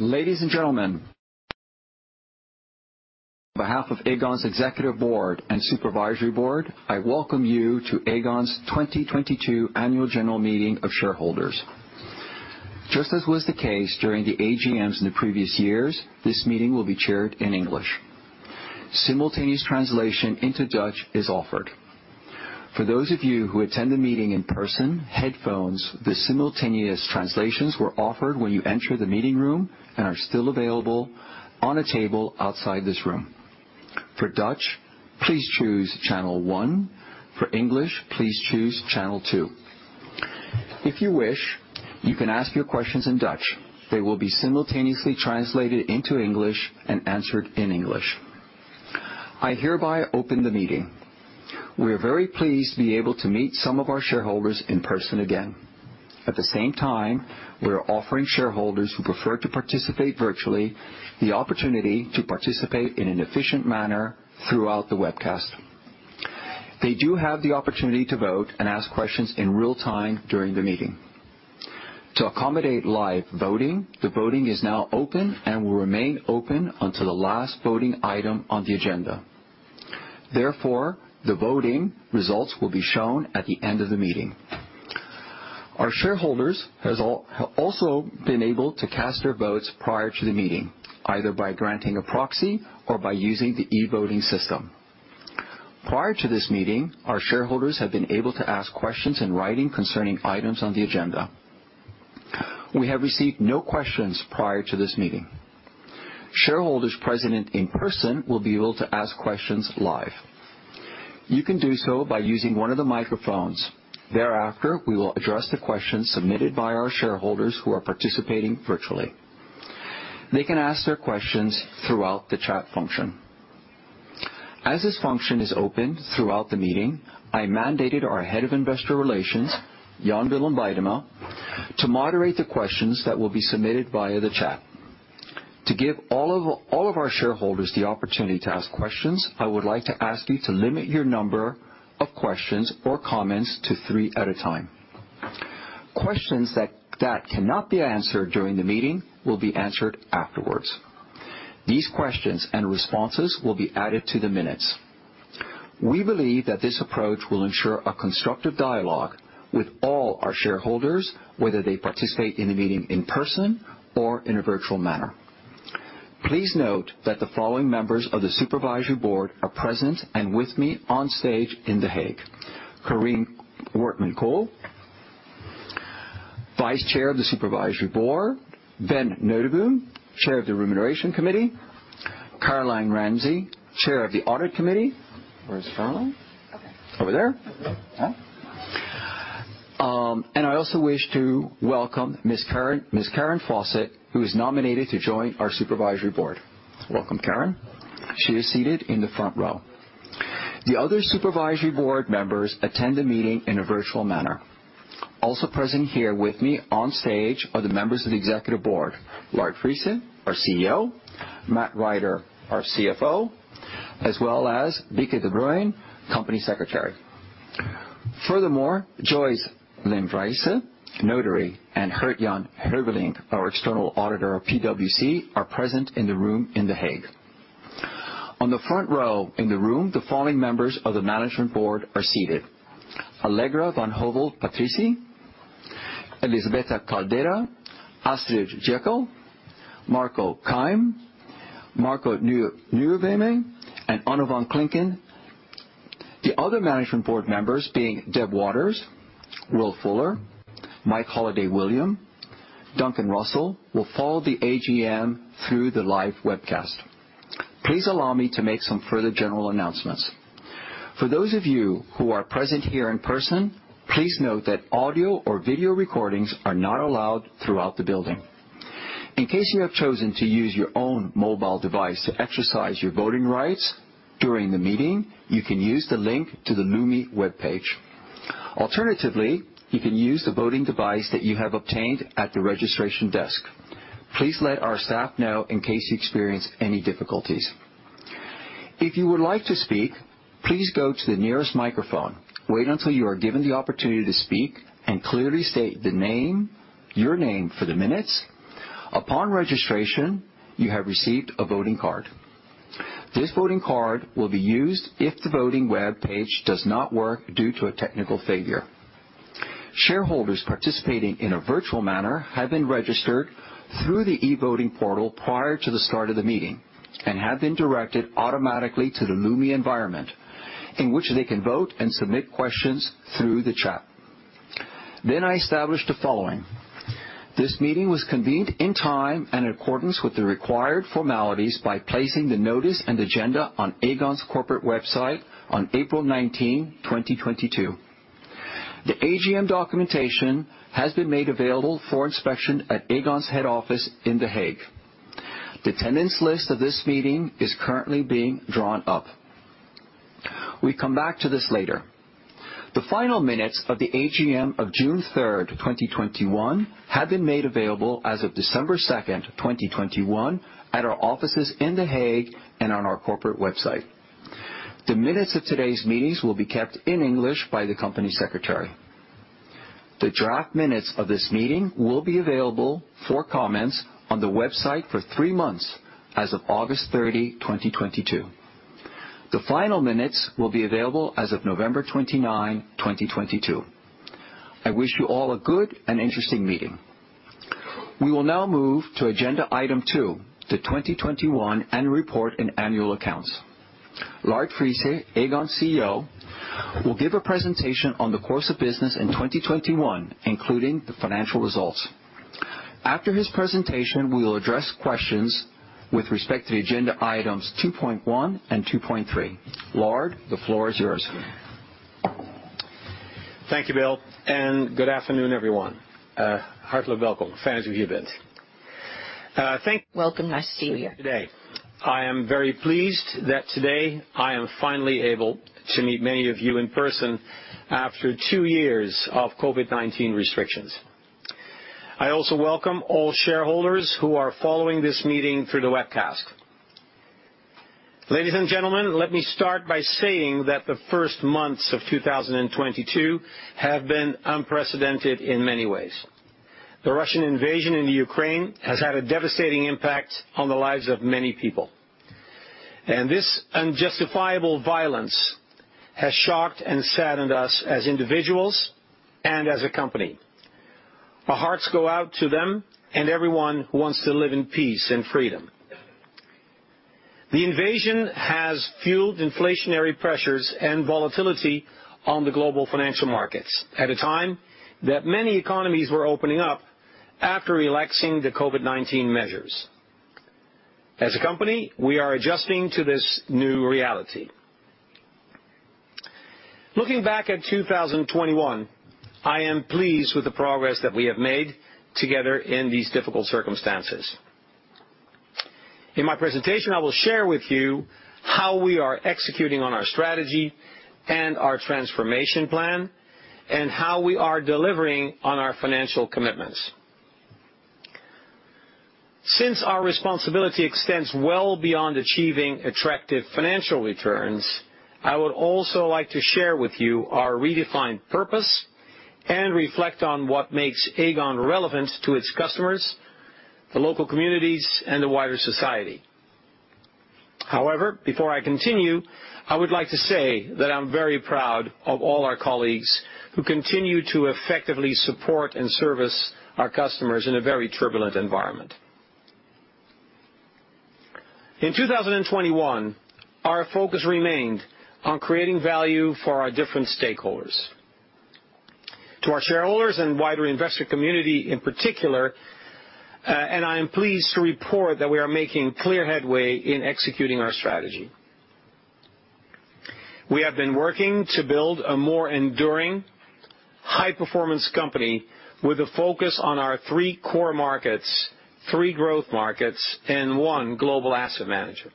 Ladies and gentlemen, on behalf of Aegon's Executive Board and Supervisory Board, I welcome you to Aegon's 2022 Annual General Meeting of Shareholders. Just as was the case during the AGMs in the previous years, this meeting will be chaired in English. Simultaneous translation into Dutch is offered. For those of you who attend the meeting in person, headphones for the simultaneous translations were offered when you enter the meeting room and are still available on a table outside this room. For Dutch, please choose channel 1. For English, please choose channel 2. If you wish, you can ask your questions in Dutch. They will be simultaneously translated into English and answered in English. I hereby open the meeting. We are very pleased to be able to meet some of our shareholders in person again. At the same time, we are offering shareholders who prefer to participate virtually the opportunity to participate in an efficient manner throughout the webcast. They do have the opportunity to vote and ask questions in real time during the meeting. To accommodate live voting, the voting is now open and will remain open until the last voting item on the agenda. Therefore, the voting results will be shown at the end of the meeting. Our shareholders have also been able to cast their votes prior to the meeting, either by granting a proxy or by using the e-voting system. Prior to this meeting, our shareholders have been able to ask questions in writing concerning items on the agenda. We have received no questions prior to this meeting. Shareholders present in person will be able to ask questions live. You can do so by using one of the microphones. Thereafter, we will address the questions submitted by our shareholders who are participating virtually. They can ask their questions throughout the chat function. As this function is open throughout the meeting, I mandated our head of investor relations, Jan Willem Weidema, to moderate the questions that will be submitted via the chat. To give all of our shareholders the opportunity to ask questions, I would like to ask you to limit your number of questions or comments to three at a time. Questions that cannot be answered during the meeting will be answered afterwards. These questions and responses will be added to the minutes. We believe that this approach will ensure a constructive dialogue with all our shareholders, whether they participate in the meeting in person or in a virtual manner. Please note that the following members of the Supervisory Board are present and with me on stage in The Hague. Corien Wortmann-Kool, Vice Chair of the Supervisory Board. Ben Noteboom, Chair of the Remuneration Committee. Caroline Ramsay, Chair of the Audit Committee. Where's Caroline? Okay. I also wish to welcome Ms. Karen Fawcett, who is nominated to join our supervisory board. Welcome, Karen. She is seated in the front row. The other supervisory board members attend the meeting in a virtual manner. Also present here with me on stage are the members of the executive board, Lard Friese, our CEO, Matt Rider, our CFO, as well as Bieke Debruyne, company secretary. Furthermore, Joyce Leemrijse, notary, and Gert-Jan Heuvelink, our external auditor of PwC, are present in the room in The Hague. On the front row in the room, the following members of the management board are seated: Allegra van Hövell-Patrizi, Elisabetta Caldera, Astrid Jäkel, Marco Keim, Marco NieuweWeme, and Onno van Klinken. The other management board members being Deborah Waters, Will Fuller, Mike Holliday-Williams, Duncan Russell, will follow the AGM through the live webcast. Please allow me to make some further general announcements. For those of you who are present here in person, please note that audio or video recordings are not allowed throughout the building. In case you have chosen to use your own mobile device to exercise your voting rights during the meeting, you can use the link to the Lumi webpage. Alternatively, you can use the voting device that you have obtained at the registration desk. Please let our staff know in case you experience any difficulties. If you would like to speak, please go to the nearest microphone. Wait until you are given the opportunity to speak, and clearly state the name, your name for the minutes. Upon registration, you have received a voting card. This voting card will be used if the voting webpage does not work due to a technical failure. Shareholders participating in a virtual manner have been registered through the e-voting portal prior to the start of the meeting and have been directed automatically to the Lumi environment in which they can vote and submit questions through the chat. I established the following. This meeting was convened in time and in accordance with the required formalities by placing the notice and agenda on Aegon's corporate website on April 19, 2022. The AGM documentation has been made available for inspection at Aegon's head office in The Hague. The attendance list of this meeting is currently being drawn up. We come back to this later. The final minutes of the AGM of June 3rd, 2021 have been made available as of December 2nd, 2021 at our offices in The Hague and on our corporate website. The minutes of today's meetings will be kept in English by the company secretary. The draft minutes of this meeting will be available for comments on the website for three months as of August 30, 2022. The final minutes will be available as of November 29, 2022. I wish you all a good and interesting meeting. We will now move to agenda item 2, the 2021 annual report and annual accounts. Lard Friese, Aegon CEO, will give a presentation on the course of business in 2021, including the financial results. After his presentation, we will address questions with respect to the agenda items 2.1 and 2.3. Lard, the floor is yours. Thank you, Will, and good afternoon, everyone. Welcome. Nice to see you. Today, I am very pleased that today I am finally able to meet many of you in person after two years of COVID-19 restrictions. I also welcome all shareholders who are following this meeting through the webcast. Ladies and gentlemen, let me start by saying that the first months of 2022 have been unprecedented in many ways. The Russian invasion into Ukraine has had a devastating impact on the lives of many people. This unjustifiable violence has shocked and saddened us as individuals and as a company. Our hearts go out to them and everyone who wants to live in peace and freedom. The invasion has fueled inflationary pressures and volatility on the global financial markets at a time that many economies were opening up after relaxing the COVID-19 measures. As a company, we are adjusting to this new reality. Looking back at 2021, I am pleased with the progress that we have made together in these difficult circumstances. In my presentation, I will share with you how we are executing on our strategy and our transformation plan and how we are delivering on our financial commitments. Since our responsibility extends well beyond achieving attractive financial returns, I would also like to share with you our redefined purpose and reflect on what makes Aegon relevant to its customers, the local communities, and the wider society. However, before I continue, I would like to say that I'm very proud of all our colleagues who continue to effectively support and service our customers in a very turbulent environment. In 2021, our focus remained on creating value for our different stakeholders. To our shareholders and wider investor community in particular, and I am pleased to report that we are making clear headway in executing our strategy. We have been working to build a more enduring high-performance company with a focus on our three core markets, three growth markets, and one global asset management.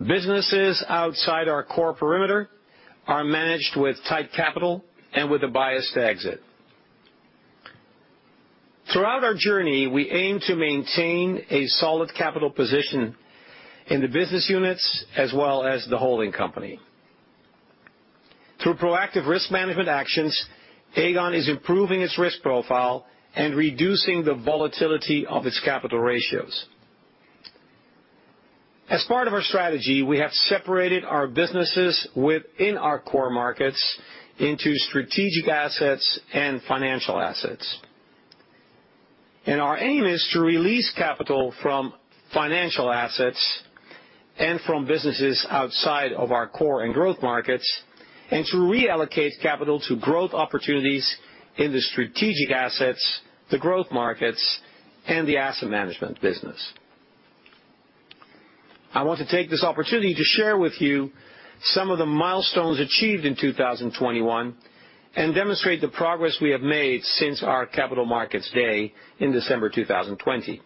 Businesses outside our core perimeter are managed with tight capital and with a bias to exit. Throughout our journey, we aim to maintain a solid capital position in the business units as well as the holding company. Through proactive risk management actions, Aegon is improving its risk profile and reducing the volatility of its capital ratios. As part of our strategy, we have separated our businesses within our core markets into strategic assets and financial assets. Our aim is to release capital from financial assets and from businesses outside of our core and growth markets, and to reallocate capital to growth opportunities in the strategic assets, the growth markets, and the asset management business. I want to take this opportunity to share with you some of the milestones achieved in 2021 and demonstrate the progress we have made since our Capital Markets Day in December 2020.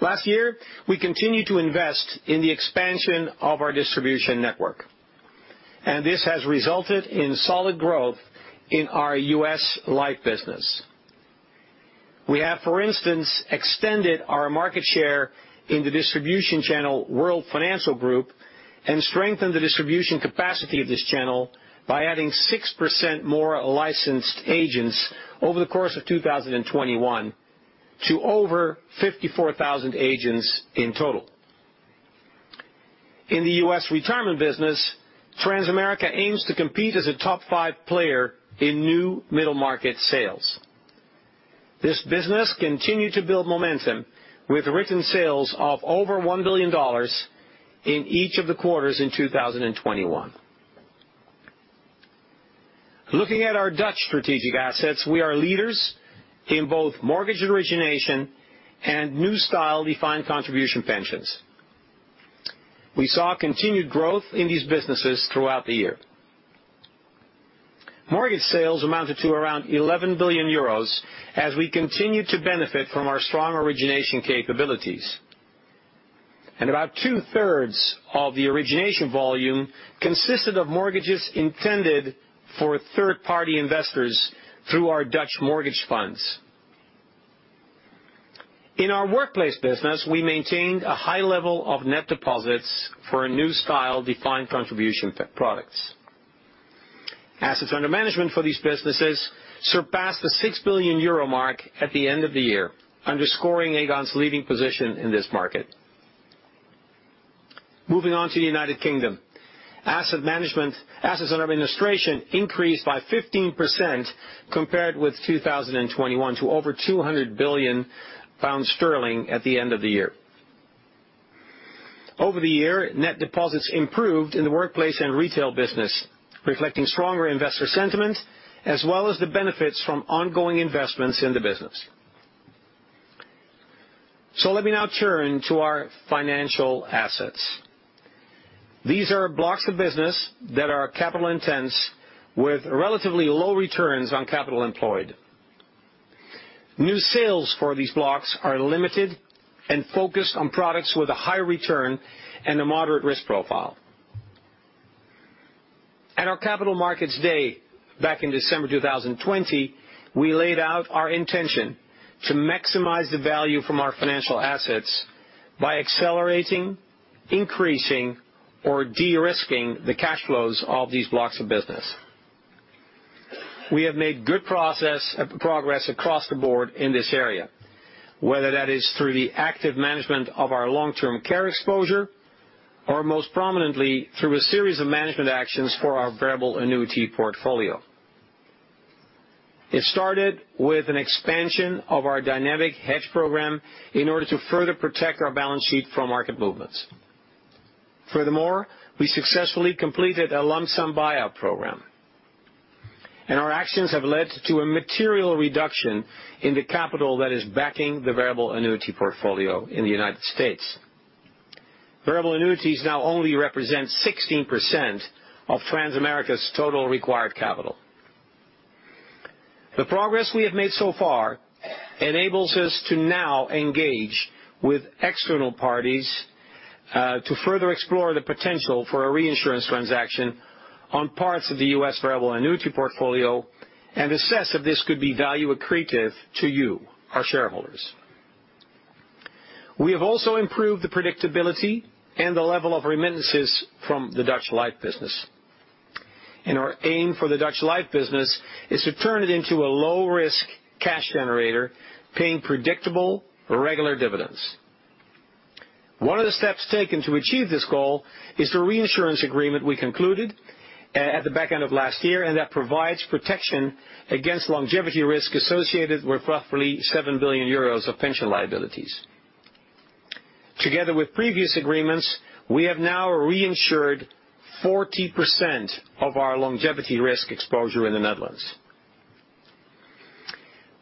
Last year, we continued to invest in the expansion of our distribution network, and this has resulted in solid growth in our U.S. life business. We have, for instance, extended our market share in the distribution channel World Financial Group and strengthened the distribution capacity of this channel by adding 6% more licensed agents over the course of 2021 to over 54,000 agents in total. In the U.S. retirement business, Transamerica aims to compete as a top five player in new middle market sales. This business continued to build momentum with written sales of over $1 billion in each of the quarters in 2021. Looking at our Dutch strategic assets, we are leaders in both mortgage origination and new style defined contribution pensions. We saw continued growth in these businesses throughout the year. Mortgage sales amounted to around 11 billion euros as we continued to benefit from our strong origination capabilities. About 2/3 of the origination volume consisted of mortgages intended for third-party investors through our Dutch mortgage funds. In our workplace business, we maintained a high level of net deposits for a new style defined contribution products. Assets under management for these businesses surpassed the 6 billion euro mark at the end of the year, underscoring Aegon's leading position in this market. Moving on to United Kingdom. Asset management, assets under administration increased by 15% compared with 2021 to over 200 billion pounds at the end of the year. Over the year, net deposits improved in the workplace and retail business, reflecting stronger investor sentiment, as well as the benefits from ongoing investments in the business. Let me now turn to our financial assets. These are blocks of business that are capital intense with relatively low returns on capital employed. New sales for these blocks are limited and focused on products with a high return and a moderate risk profile. At our Capital Markets Day back in December 2020, we laid out our intention to maximize the value from our financial assets by accelerating, increasing or de-risking the cash flows of these blocks of business. We have made good progress across the board in this area, whether that is through the active management of our long-term care exposure, or most prominently through a series of management actions for our variable annuity portfolio. It started with an expansion of our dynamic hedge program in order to further protect our balance sheet from market movements. Furthermore, we successfully completed a lump sum buyout program, and our actions have led to a material reduction in the capital that is backing the variable annuity portfolio in the United States. Variable annuities now only represent 16% of Transamerica's total required capital. The progress we have made so far enables us to now engage with external parties to further explore the potential for a reinsurance transaction on parts of the U.S. variable annuity portfolio and assess if this could be value accretive to you, our shareholders. We have also improved the predictability and the level of remittances from the Dutch life business. Our aim for the Dutch life business is to turn it into a low-risk cash generator, paying predictable, regular dividends. One of the steps taken to achieve this goal is the reinsurance agreement we concluded at the back end of last year, and that provides protection against longevity risk associated with roughly 7 billion euros of pension liabilities. Together with previous agreements, we have now reinsured 40% of our longevity risk exposure in the Netherlands.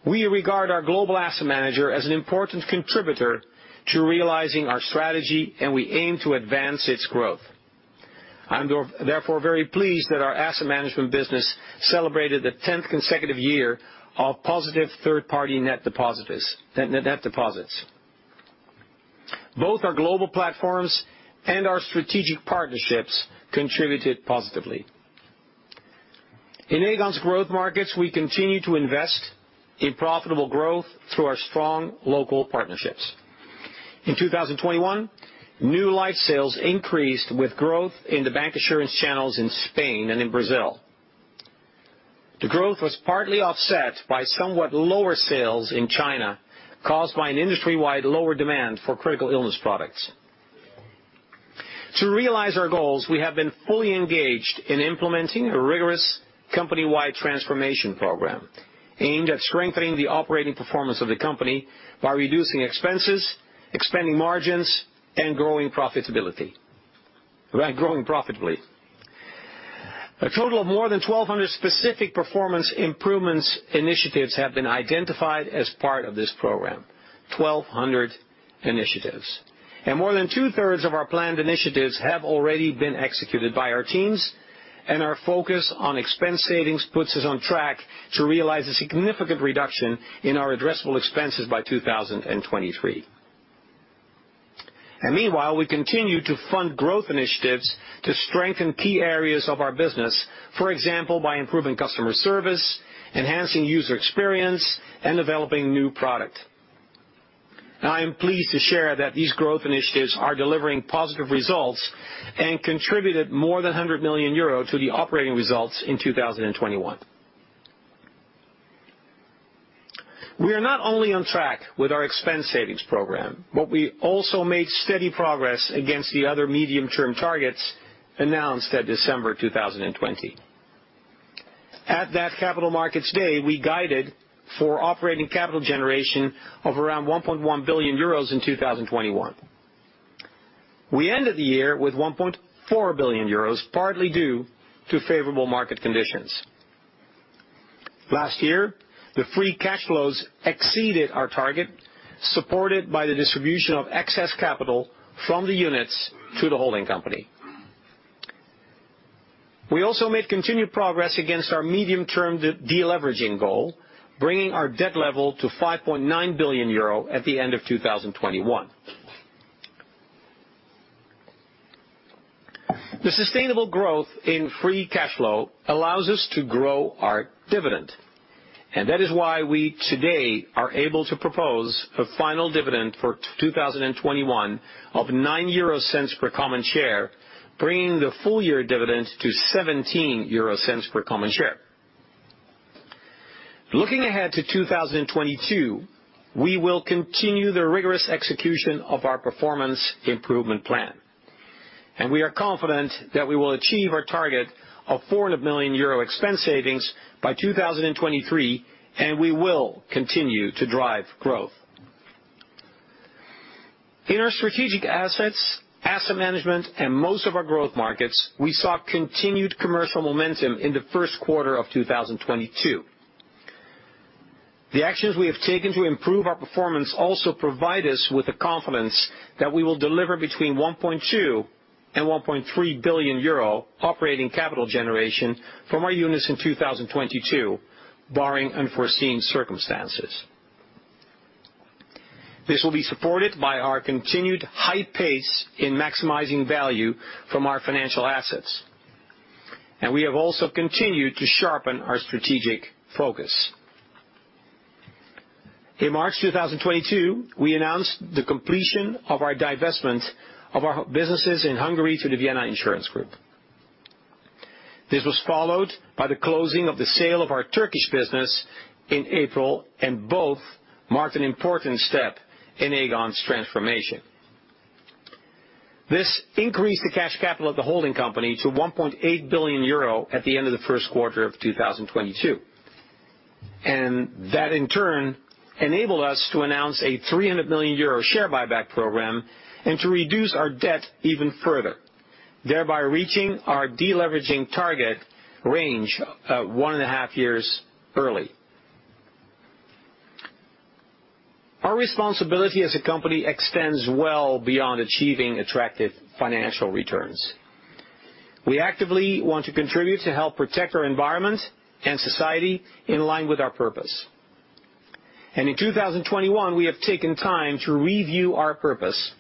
We regard our global asset manager as an important contributor to realizing our strategy, and we aim to advance its growth. I'm therefore very pleased that our asset management business celebrated the 10th consecutive year of positive third-party net deposits. Both our global platforms and our strategic partnerships contributed positively. In Aegon's growth markets, we continue to invest in profitable growth through our strong local partnerships. In 2021, new life sales increased with growth in the bank assurance channels in Spain and in Brazil. The growth was partly offset by somewhat lower sales in China, caused by an industry-wide lower demand for critical illness products. To realize our goals, we have been fully engaged in implementing a rigorous company-wide transformation program aimed at strengthening the operating performance of the company by reducing expenses, expanding margins, and growing profitability. Right, growing profitably. A total of more than 1,200 specific performance improvements initiatives have been identified as part of this program. 1,200 initiatives. More than two-thirds of our planned initiatives have already been executed by our teams, and our focus on expense savings puts us on track to realize a significant reduction in our addressable expenses by 2023. Meanwhile, we continue to fund growth initiatives to strengthen key areas of our business, for example, by improving customer service, enhancing user experience, and developing new product. I am pleased to share that these growth initiatives are delivering positive results and contributed more than 100 million euro to the operating results in 2021. We are not only on track with our expense savings program, but we also made steady progress against the other medium-term targets announced at December 2020. At that Capital Markets Day, we guided for operating capital generation of around 1.1 billion euros in 2021. We ended the year with 1.4 billion euros, partly due to favorable market conditions. Last year, the free cash flows exceeded our target, supported by the distribution of excess capital from the units to the holding company. We also made continued progress against our medium-term de-deleveraging goal, bringing our debt level to 5.9 billion euro at the end of 2021. The sustainable growth in free cash flow allows us to grow our dividend, and that is why we today are able to propose a final dividend for 2021 of 0.09 per common share, bringing the full year dividend to 0.17 per common share. Looking ahead to 2022, we will continue the rigorous execution of our performance improvement plan, and we are confident that we will achieve our target of 400 million euro expense savings by 2023, and we will continue to drive growth. In our strategic assets, asset management, and most of our growth markets, we saw continued commercial momentum in the first quarter of 2022. The actions we have taken to improve our performance also provide us with the confidence that we will deliver between 1.2 billion and 1.3 billion euro operating capital generation from our units in 2022, barring unforeseen circumstances. This will be supported by our continued high pace in maximizing value from our financial assets. We have also continued to sharpen our strategic focus. In March 2022, we announced the completion of our divestment of our businesses in Hungary to the Vienna Insurance Group. This was followed by the closing of the sale of our Turkish business in April, and both marked an important step in Aegon's transformation. This increased the cash capital of the holding company to 1.8 billion euro at the end of the first quarter of 2022. That, in turn, enabled us to announce a 300 million euro share buyback program and to reduce our debt even further, thereby reaching our deleveraging target range, one and a half years early. Our responsibility as a company extends well beyond achieving attractive financial returns. We actively want to contribute to help protect our environment and society in line with our purpose. In 2021, we have taken time to review our purpose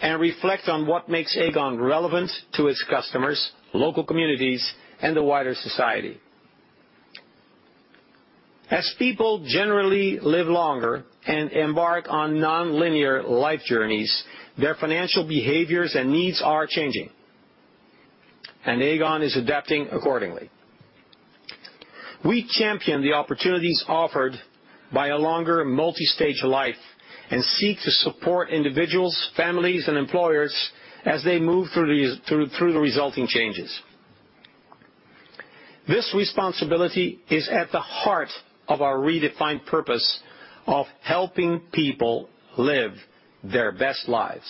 and reflect on what makes Aegon relevant to its customers, local communities, and the wider society. As people generally live longer and embark on nonlinear life journeys, their financial behaviors and needs are changing, and Aegon is adapting accordingly. We champion the opportunities offered by a longer multistage life and seek to support individuals, families, and employers as they move through the resulting changes. This responsibility is at the heart of our redefined purpose of helping people live their best lives.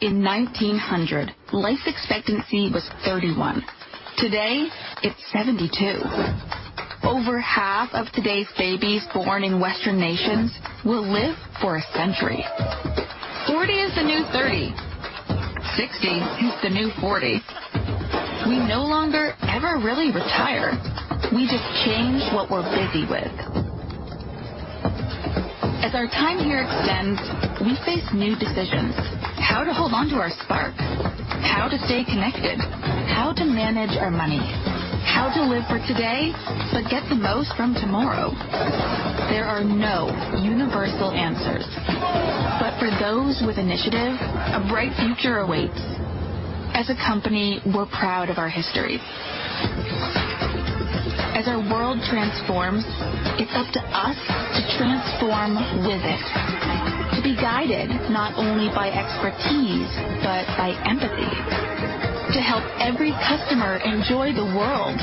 In 1900, life expectancy was 31. Today, it's 72. Over half of today's babies born in Western nations will live for a century. 40 is the new 30. 60 is the new 40. We no longer ever really retire. We just change what we're busy with. As our time here extends, we face new decisions. How to hold onto our spark, how to stay connected, how to manage our money, how to live for today, but get the most from tomorrow. There are no universal answers, but for those with initiative, a bright future awaits. As a company, we're proud of our history. As our world transforms, it's up to us to transform with it. To be guided not only by expertise but by empathy. To help every customer enjoy the world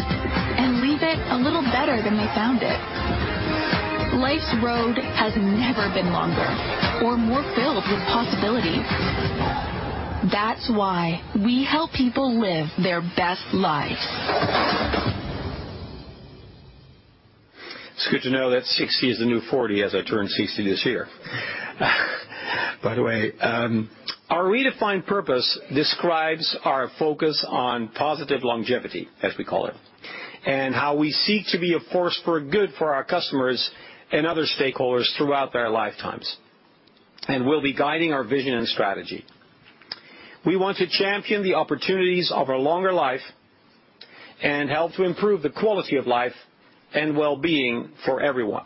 and leave it a little better than they found it. Life's road has never been longer or more filled with possibility. That's why we help people live their best life. It's good to know that 60 is the new 40 as I turn 60 this year. By the way, our redefined purpose describes our focus on positive longevity, as we call it, and how we seek to be a force for good for our customers and other stakeholders throughout their lifetimes. We'll be guiding our vision and strategy. We want to champion the opportunities of a longer life and help to improve the quality of life and well-being for everyone.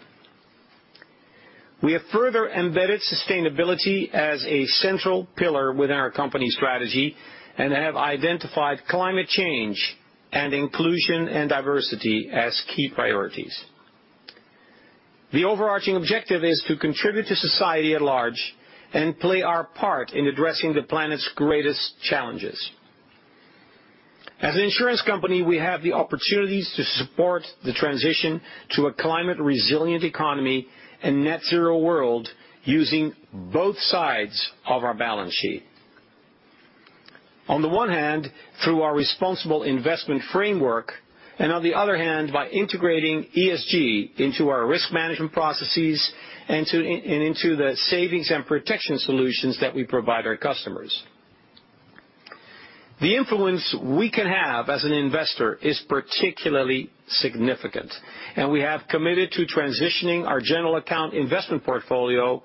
We have further embedded sustainability as a central pillar within our company strategy and have identified climate change and inclusion and diversity as key priorities. The overarching objective is to contribute to society at large and play our part in addressing the planet's greatest challenges. As an insurance company, we have the opportunities to support the transition to a climate-resilient economy and net zero world using both sides of our balance sheet. On the one hand, through our responsible investment framework, and on the other hand, by integrating ESG into our risk management processes and into the savings and protection solutions that we provide our customers. The influence we can have as an investor is particularly significant, and we have committed to transitioning our general account investment portfolio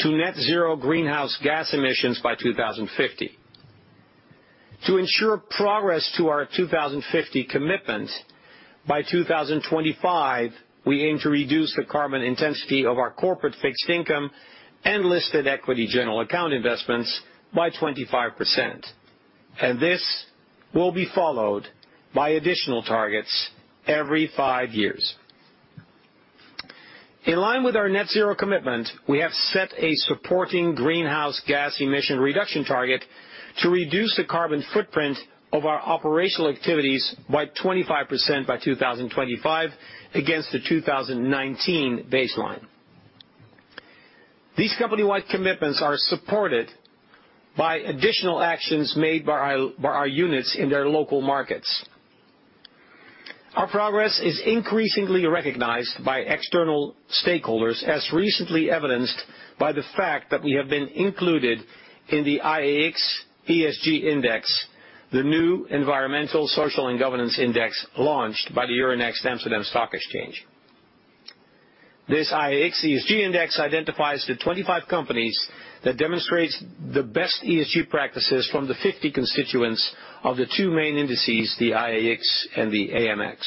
to net zero greenhouse gas emissions by 2050. To ensure progress to our 2050 commitment, by 2025, we aim to reduce the carbon intensity of our corporate fixed income and listed equity general account investments by 25%. This will be followed by additional targets every five years. In line with our net zero commitment, we have set a supporting greenhouse gas emission reduction target to reduce the carbon footprint of our operational activities by 25% by 2025 against the 2019 baseline. These company-wide commitments are supported by additional actions made by our units in their local markets. Our progress is increasingly recognized by external stakeholders, as recently evidenced by the fact that we have been included in the AEX ESG Index, the new environmental, social, and governance index launched by the Euronext Amsterdam Stock Exchange. This AEX ESG Index identifies the 25 companies that demonstrates the best ESG practices from the 50 constituents of the two main indices, the AEX and the AMX.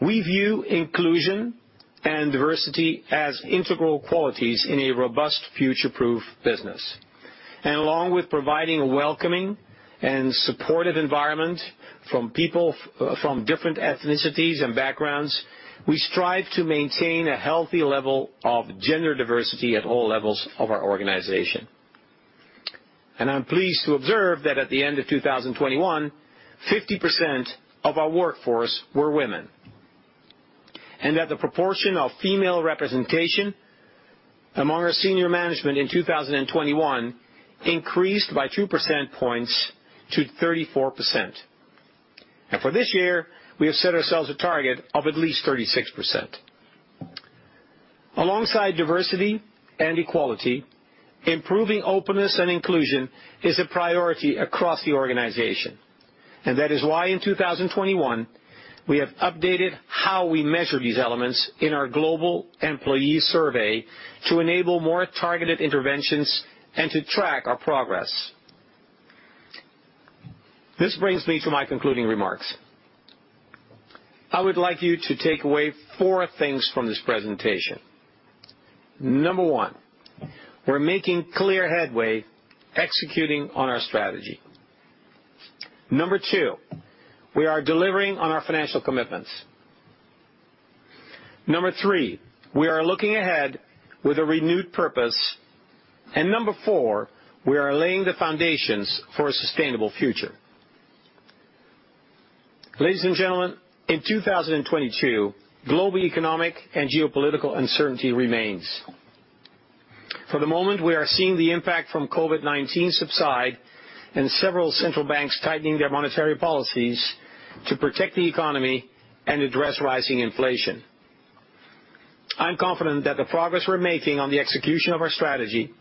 We view inclusion and diversity as integral qualities in a robust future-proof business. Providing a welcoming and supportive environment for people from different ethnicities and backgrounds, we strive to maintain a healthy level of gender diversity at all levels of our organization. I'm pleased to observe that at the end of 2021, 50% of our workforce were women, and that the proportion of female representation among our senior management in 2021 increased by two percentage points to 34%. For this year, we have set ourselves a target of at least 36%. Alongside diversity and equality, improving openness and inclusion is a priority across the organization. That is why in 2021, we have updated how we measure these elements in our global employee survey to enable more targeted interventions and to track our progress. This brings me to my concluding remarks. I would like you to take away four things from this presentation. Number one, we're making clear headway executing on our strategy. Number two, we are delivering on our financial commitments. Number three, we are looking ahead with a renewed purpose. Number four, we are laying the foundations for a sustainable future. Ladies and gentlemen, in 2022, global economic and geopolitical uncertainty remains. For the moment, we are seeing the impact from COVID-19 subside and several central banks tightening their monetary policies to protect the economy and address rising inflation. I'm confident that the progress we're making on the execution of our strategy,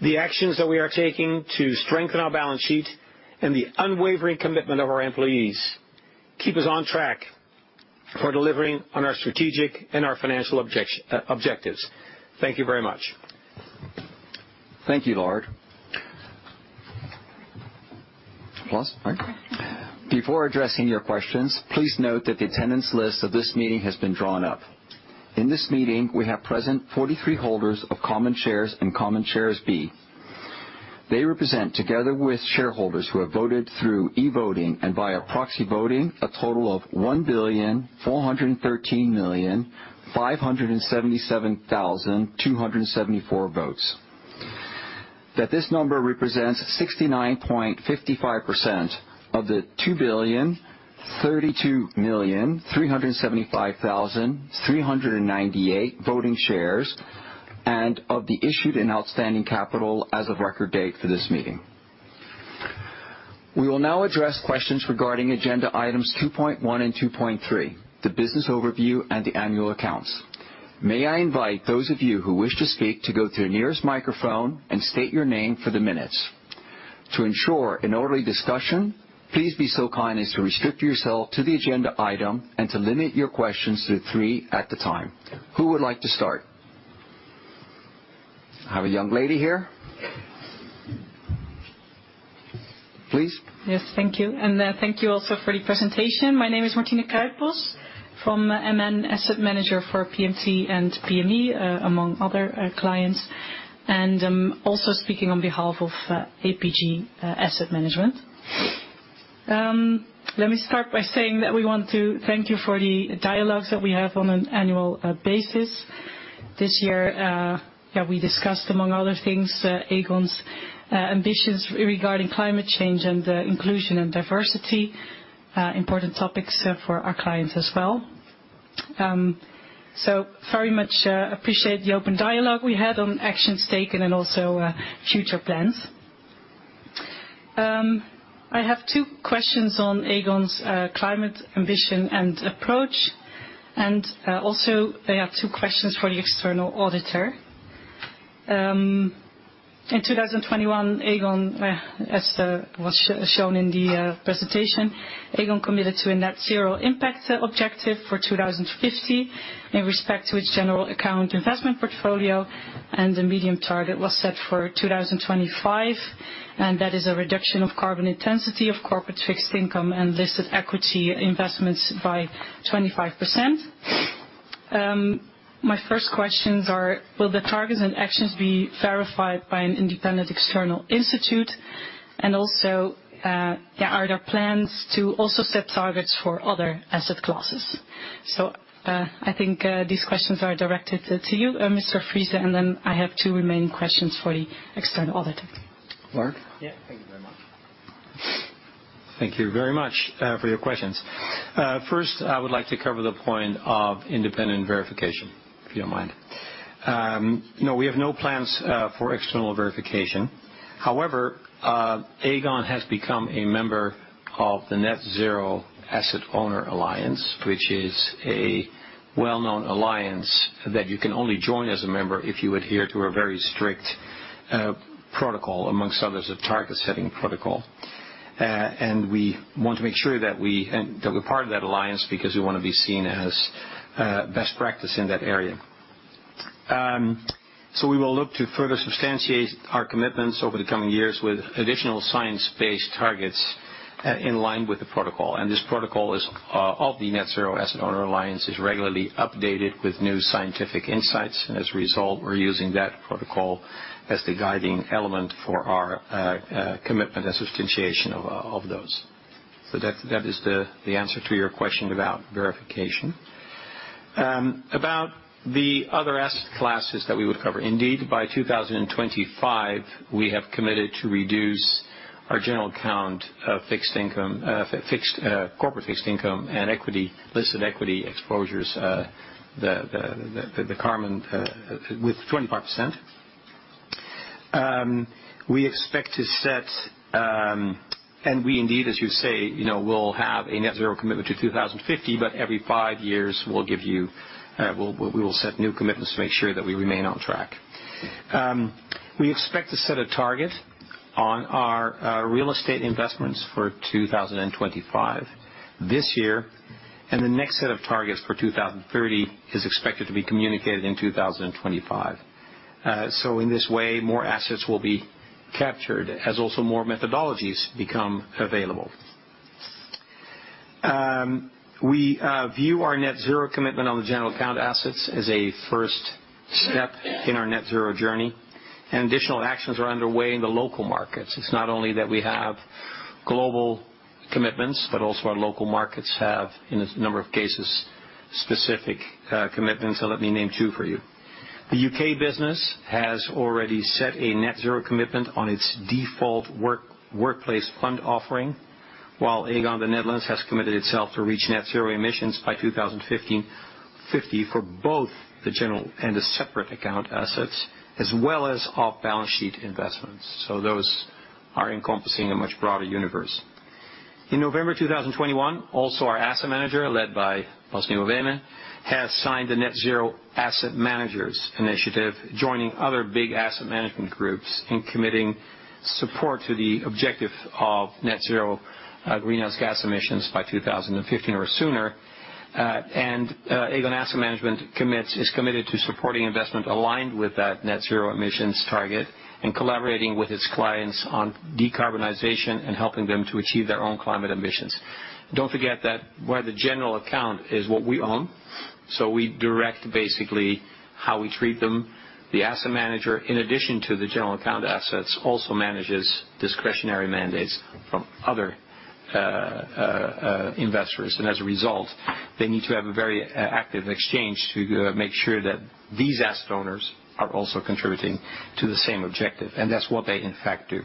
the actions that we are taking to strengthen our balance sheet, and the unwavering commitment of our employees keep us on track for delivering on our strategic and our financial objectives. Thank you very much. Thank you, Lard. Plus, right? Before addressing your questions, please note that the attendance list of this meeting has been drawn up. In this meeting, we have present 43 holders of common shares and common shares B. They represent, together with shareholders who have voted through e-voting and by proxy voting, a total of 1,413,577,274 votes. That this number represents 69.55% of the 2,032,375,398 voting shares and of the issued and outstanding capital as of record date for this meeting. We will now address questions regarding agenda items 2.1 and 2.3, the business overview and the annual accounts. May I invite those of you who wish to speak to go to the nearest microphone and state your name for the minutes. To ensure an orderly discussion, please be so kind as to restrict yourself to the agenda item and to limit your questions to three at the time. Who would like to start? I have a young lady here. Please. Yes, thank you. Thank you also for the presentation. My name is Martina Kuipers from MN Asset Management for PMT and PME, among other clients. Also speaking on behalf of APG Asset Management. Let me start by saying that we want to thank you for the dialogues that we have on an annual basis. This year, yeah, we discussed, among other things, Aegon's ambitions regarding climate change and inclusion and diversity, important topics for our clients as well. Very much appreciate the open dialogue we had on actions taken and also future plans. I have two questions on Aegon's climate ambition and approach, and also I have two questions for the external auditor. In 2021, Aegon, as was shown in the presentation, Aegon committed to a net-zero impact objective for 2050 in respect to its general account investment portfolio, and the medium target was set for 2025, and that is a reduction of carbon intensity of corporate fixed income and listed equity investments by 25%. My first questions are, will the targets and actions be verified by an independent external institute? Also, are there plans to also set targets for other asset classes? I think these questions are directed to you, Mr. Friese, and then I have two remaining questions for the external auditor. Lard? Yeah. Thank you very much. Thank you very much for your questions. First, I would like to cover the point of independent verification, if you don't mind. No, we have no plans for external verification. However, Aegon has become a member of the Net-Zero Asset Owner Alliance, which is a well-known alliance that you can only join as a member if you adhere to a very strict protocol, among others, a target setting protocol. We want to make sure that we're part of that alliance because we wanna be seen as best practice in that area. We will look to further substantiate our commitments over the coming years with additional science-based targets in line with the protocol. This protocol of the Net-Zero Asset Owner Alliance is regularly updated with new scientific insights. As a result, we're using that protocol as the guiding element for our commitment and substantiation of those. That is the answer to your question about verification. About the other asset classes that we would cover. Indeed, by 2025, we have committed to reduce our general account fixed income, corporate fixed income and equity, listed equity exposures, the carbon with 25%. We expect to set and we indeed, as you say, you know, will have a net zero commitment to 2050, but every five years, we'll give you, we will set new commitments to make sure that we remain on track. We expect to set a target on our real estate investments for 2025 this year, and the next set of targets for 2030 is expected to be communicated in 2025. In this way, more assets will be captured as also more methodologies become available. We view our net zero commitment on the general account assets as a first step in our net zero journey, and additional actions are underway in the local markets. It's not only that we have global commitments, but also our local markets have, in a number of cases, specific commitments. Let me name two for you. The U.K. business has already set a net zero commitment on its default workplace fund offering. While Aegon the Netherlands has committed itself to reach net zero emissions by 2050 for both the general and the separate account assets, as well as off-balance sheet investments. Those are encompassing a much broader universe. In November 2021, also our asset manager, led by Bas NieuweWeme, has signed the Net Zero Asset Managers initiative, joining other big asset management groups in committing support to the objective of net zero, greenhouse gas emissions by 2050 or sooner. Aegon Asset Management is committed to supporting investment aligned with that net zero emissions target and collaborating with its clients on decarbonization and helping them to achieve their own climate ambitions. Don't forget that where the general account is what we own, so we direct basically how we treat them. The asset manager, in addition to the general account assets, also manages discretionary mandates from other investors. As a result, they need to have a very active exchange to make sure that these asset owners are also contributing to the same objective, and that's what they in fact do.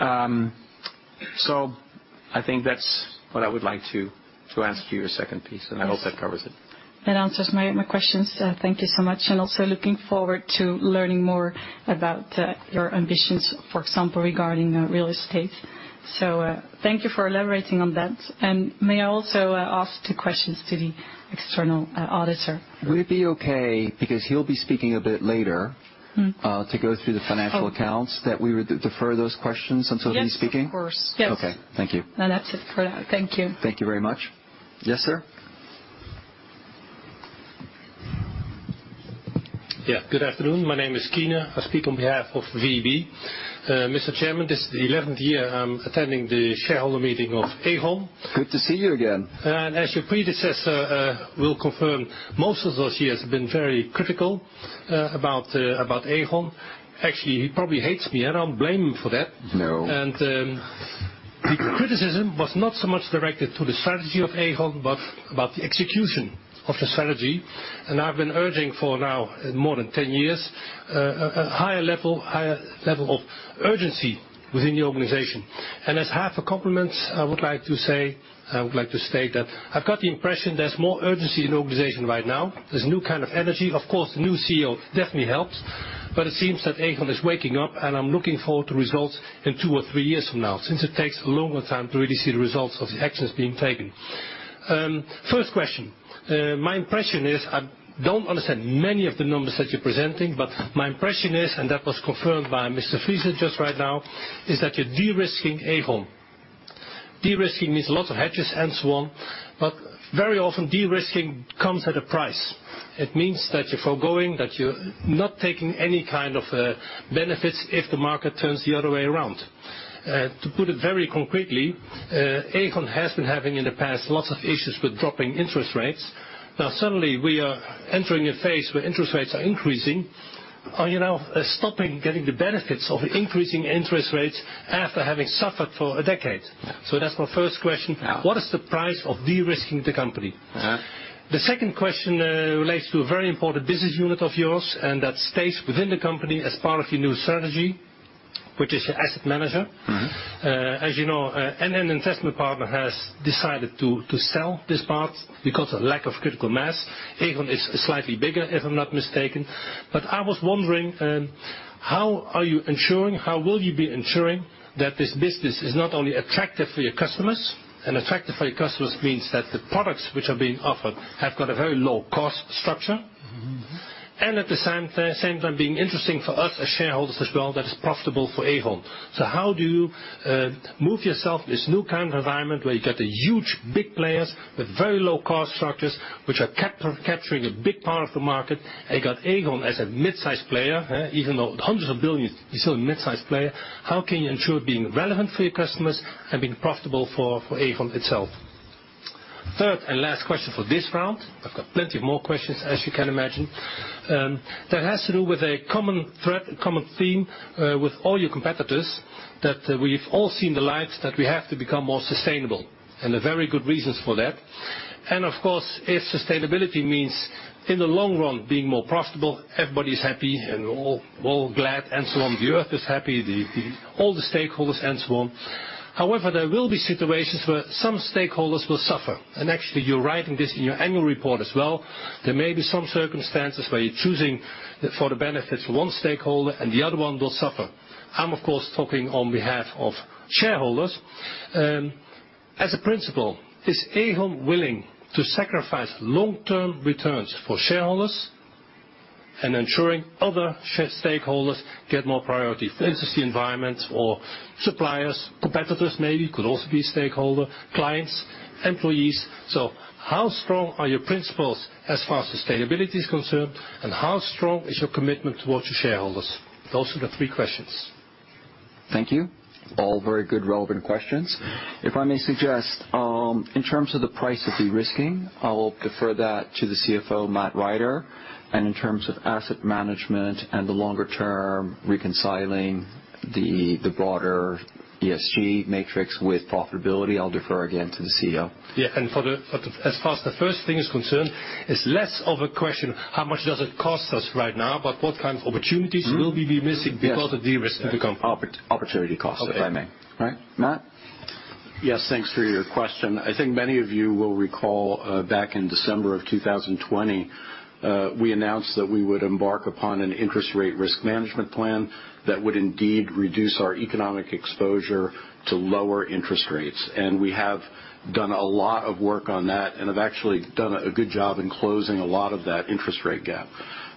I think that's what I would like to ask to your second piece, and I hope that covers it. That answers my questions. Thank you so much, and also looking forward to learning more about your ambitions, for example, regarding real estate. Thank you for elaborating on that. May I also ask two questions to the external auditor? Would it be okay, because he'll be speaking a bit later? Mm. to go through the financial accounts. Oh. that we would defer those questions until he's speaking? Yes, of course. Yes. Okay. Thank you. No, that's it for now. Thank you. Thank you very much. Yes, sir. Yeah. Good afternoon. My name is Keyner. I speak on behalf of VEB. Mr. Chairman, this is the eleventh year I'm attending the shareholder meeting of Aegon. Good to see you again. As your predecessor will confirm, most of those years have been very critical about Aegon. Actually, he probably hates me, and I don't blame him for that. No. The criticism was not so much directed to the strategy of Aegon, but about the execution of the strategy. I've been urging for now, more than 10 years, a higher level of urgency within the organization. As half a compliment, I would like to say, I would like to state that I've got the impression there's more urgency in the organization right now. There's new kind of energy. Of course, the new CEO definitely helps. But it seems that Aegon is waking up, and I'm looking forward to results in two or three years from now, since it takes a longer time to really see the results of the actions being taken. First question. My impression is I don't understand many of the numbers that you're presenting, but my impression is, and that was confirmed by Mr. Friese, just right now, is that you're de-risking Aegon. De-risking means lots of hedges and so on, but very often de-risking comes at a price. It means that you're foregoing, that you're not taking any kind of benefits if the market turns the other way around. To put it very concretely, Aegon has been having in the past lots of issues with dropping interest rates. Now, suddenly we are entering a phase where interest rates are increasing. Are you now stopping getting the benefits of increasing interest rates after having suffered for a decade? That's my first question. Yeah. What is the price of de-risking the company? Uh-huh. The second question relates to a very important business unit of yours, and that stays within the company as part of your new strategy, which is your asset manager. Mm-hmm. As you know, NN Investment Partners has decided to sell this part because of lack of critical mass. Aegon is slightly bigger, if I'm not mistaken. I was wondering, how are you ensuring, how will you be ensuring that this business is not only attractive for your customers? Attractive for your customers means that the products which are being offered have got a very low cost structure. Mm-hmm. At the same time, being interesting for us as shareholders as well, that is profitable for Aegon. How do you move yourself this new kind of environment where you got the huge, big players with very low cost structures which are capturing a big part of the market. You got Aegon as a midsize player, even though hundreds of billions, you're still a midsize player. How can you ensure being relevant for your customers and being profitable for Aegon itself? Third and last question for this round. I've got plenty more questions, as you can imagine. That has to do with a common thread, common theme, with all your competitors, that we've all seen the lights that we have to become more sustainable, and there are very good reasons for that. Of course, if sustainability means in the long run being more profitable, everybody's happy and we're all glad and so on. The Earth is happy, all the stakeholders and so on. However, there will be situations where some stakeholders will suffer. Actually, you're writing this in your annual report as well. There may be some circumstances where you're choosing for the benefits of one stakeholder and the other one will suffer. I'm of course talking on behalf of shareholders. As a principle, is Aegon willing to sacrifice long-term returns for shareholders and ensuring other shareholders stakeholders get more priority, whether it's the environment or suppliers, competitors maybe could also be a stakeholder, clients, employees. How strong are your principles as far as sustainability is concerned, and how strong is your commitment towards your shareholders? Those are the three questions. Thank you. All very good relevant questions. If I may suggest, in terms of the price of de-risking, I will defer that to the CFO, Matt Rider. In terms of asset management and the longer term reconciling the broader ESG matrix with profitability, I'll defer again to the CEO. Yeah. As far as the first thing is concerned, it's less of a question, how much does it cost us right now, but what kind of opportunities Mm-hmm. Will we be missing because of de-risking the company? Yes. Opportunity cost, if I may. Okay. Right. Matt? Yes, thanks for your question. I think many of you will recall, back in December 2020, we announced that we would embark upon an interest rate risk management plan that would indeed reduce our economic exposure to lower interest rates. We have done a lot of work on that and have actually done a good job in closing a lot of that interest rate gap.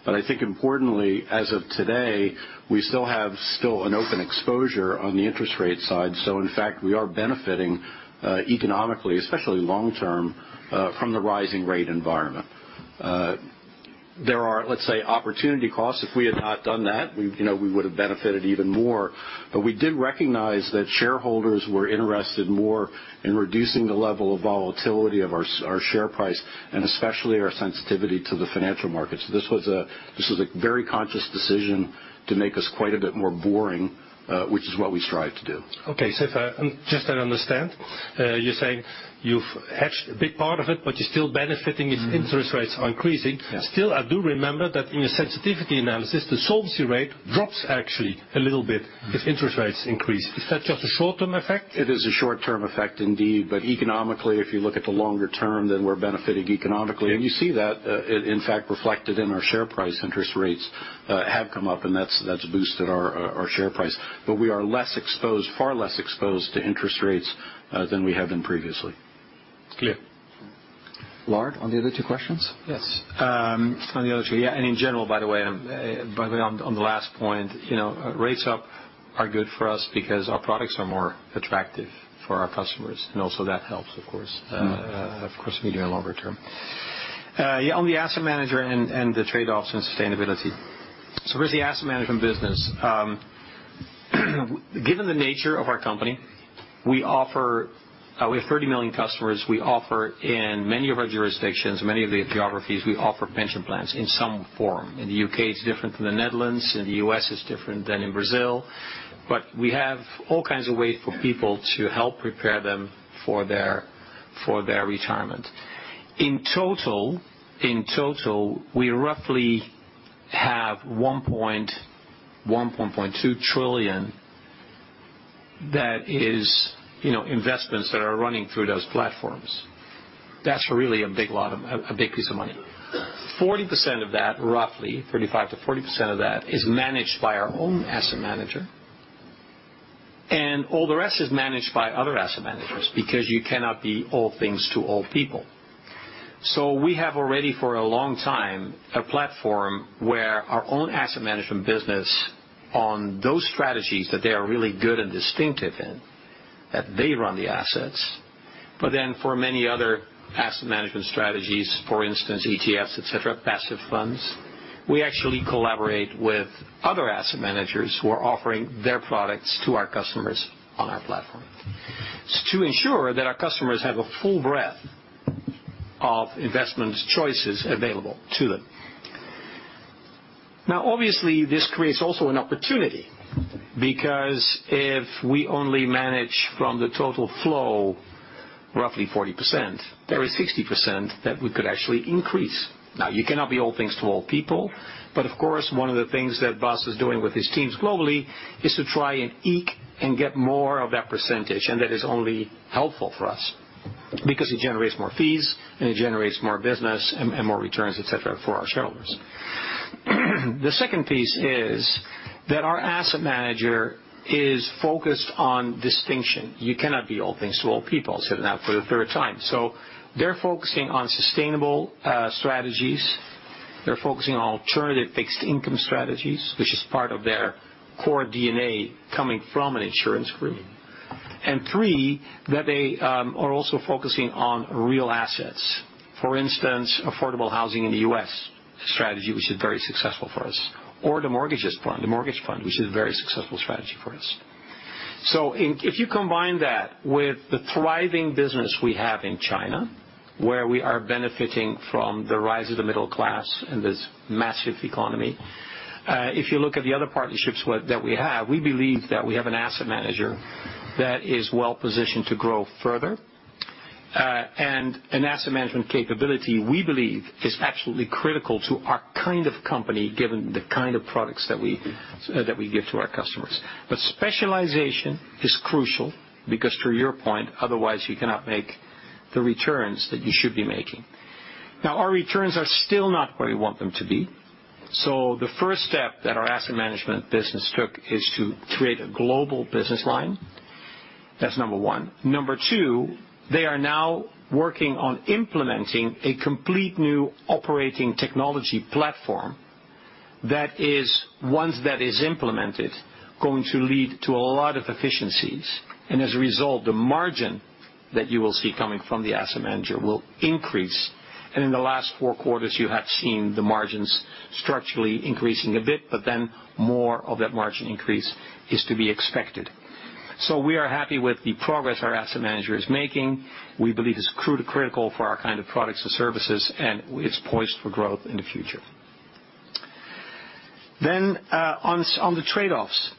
I think importantly, as of today, we still have an open exposure on the interest rate side. In fact, we are benefiting, economically, especially long-term, from the rising rate environment. There are, let's say, opportunity costs. If we had not done that, you know, we would have benefited even more. We did recognize that shareholders were interested more in reducing the level of volatility of our share price, and especially our sensitivity to the financial markets. This was a very conscious decision to make us quite a bit more boring, which is what we strive to do. Just to understand, you're saying you've hedged a big part of it, but you're still benefiting if interest rates are increasing? Yeah. Still, I do remember that in your sensitivity analysis, the solvency rate drops actually a little bit if interest rates increase. Is that just a short-term effect? It is a short-term effect indeed. Economically, if you look at the longer term, then we're benefiting economically. Yeah. You see that, in fact, reflected in our share price. Interest rates have come up, and that's boosted our share price. We are less exposed, far less exposed to interest rates than we have been previously. Clear. Lard, on the other two questions. Yes. On the other two. Yeah. In general, by the way, on the last point, you know, rates up are good for us because our products are more attractive for our customers. Also that helps, of course, medium and longer term. Yeah, on the asset manager and the trade-offs and sustainability. With the asset management business, given the nature of our company, we offer. We have 30 million customers. We offer in many of our jurisdictions, many of the geographies, we offer pension plans in some form. In the U.K., it's different than the Netherlands, in the U.S. it's different than in Brazil. We have all kinds of ways for people to help prepare them for their retirement. In total, we roughly have 1.2 trillion that is, you know, investments that are running through those platforms. That's really a big piece of money. 40% of that, roughly 35%-40% of that is managed by our own asset manager, and all the rest is managed by other asset managers, because you cannot be all things to all people. We have already, for a long time, a platform where our own asset management business on those strategies that they are really good and distinctive in, that they run the assets. For many other asset management strategies, for instance, ETFs, et cetera, passive funds, we actually collaborate with other asset managers who are offering their products to our customers on our platform to ensure that our customers have a full breadth of investment choices available to them. Now obviously, this creates also an opportunity, because if we only manage from the total flow roughly 40%, there is 60% that we could actually increase. Now you cannot be all things to all people, but of course, one of the things that Bas is doing with his teams globally is to try and eke and get more of that percentage. That is only helpful for us because it generates more fees, and it generates more business and more returns, et cetera, for our shareholders. The second piece is that our asset manager is focused on distinction. You cannot be all things to all people. I'll say that for the third time. They're focusing on sustainable strategies. They're focusing on alternative fixed income strategies, which is part of their core DNA coming from an insurance group. Three, they are also focusing on real assets. For instance, affordable housing in the U.S., a strategy which is very successful for us. Or the mortgage fund, which is a very successful strategy for us. In... If you combine that with the thriving business we have in China, where we are benefiting from the rise of the middle class in this massive economy, if you look at the other partnerships that we have, we believe that we have an asset manager that is well-positioned to grow further. An asset management capability we believe is absolutely critical to our kind of company, given the kind of products that we give to our customers. Specialization is crucial because to your point, otherwise you cannot make the returns that you should be making. Now our returns are still not where we want them to be. The first step that our asset management business took is to create a global business line. That's number one. Number two, they are now working on implementing a complete new operating technology platform that is, once that is implemented, going to lead to a lot of efficiencies. As a result, the margin that you will see coming from the asset manager will increase. In the last four quarters you have seen the margins structurally increasing a bit, but then more of that margin increase is to be expected. We are happy with the progress our asset manager is making. We believe it's critical for our kind of products and services, and it's poised for growth in the future. On the trade-offs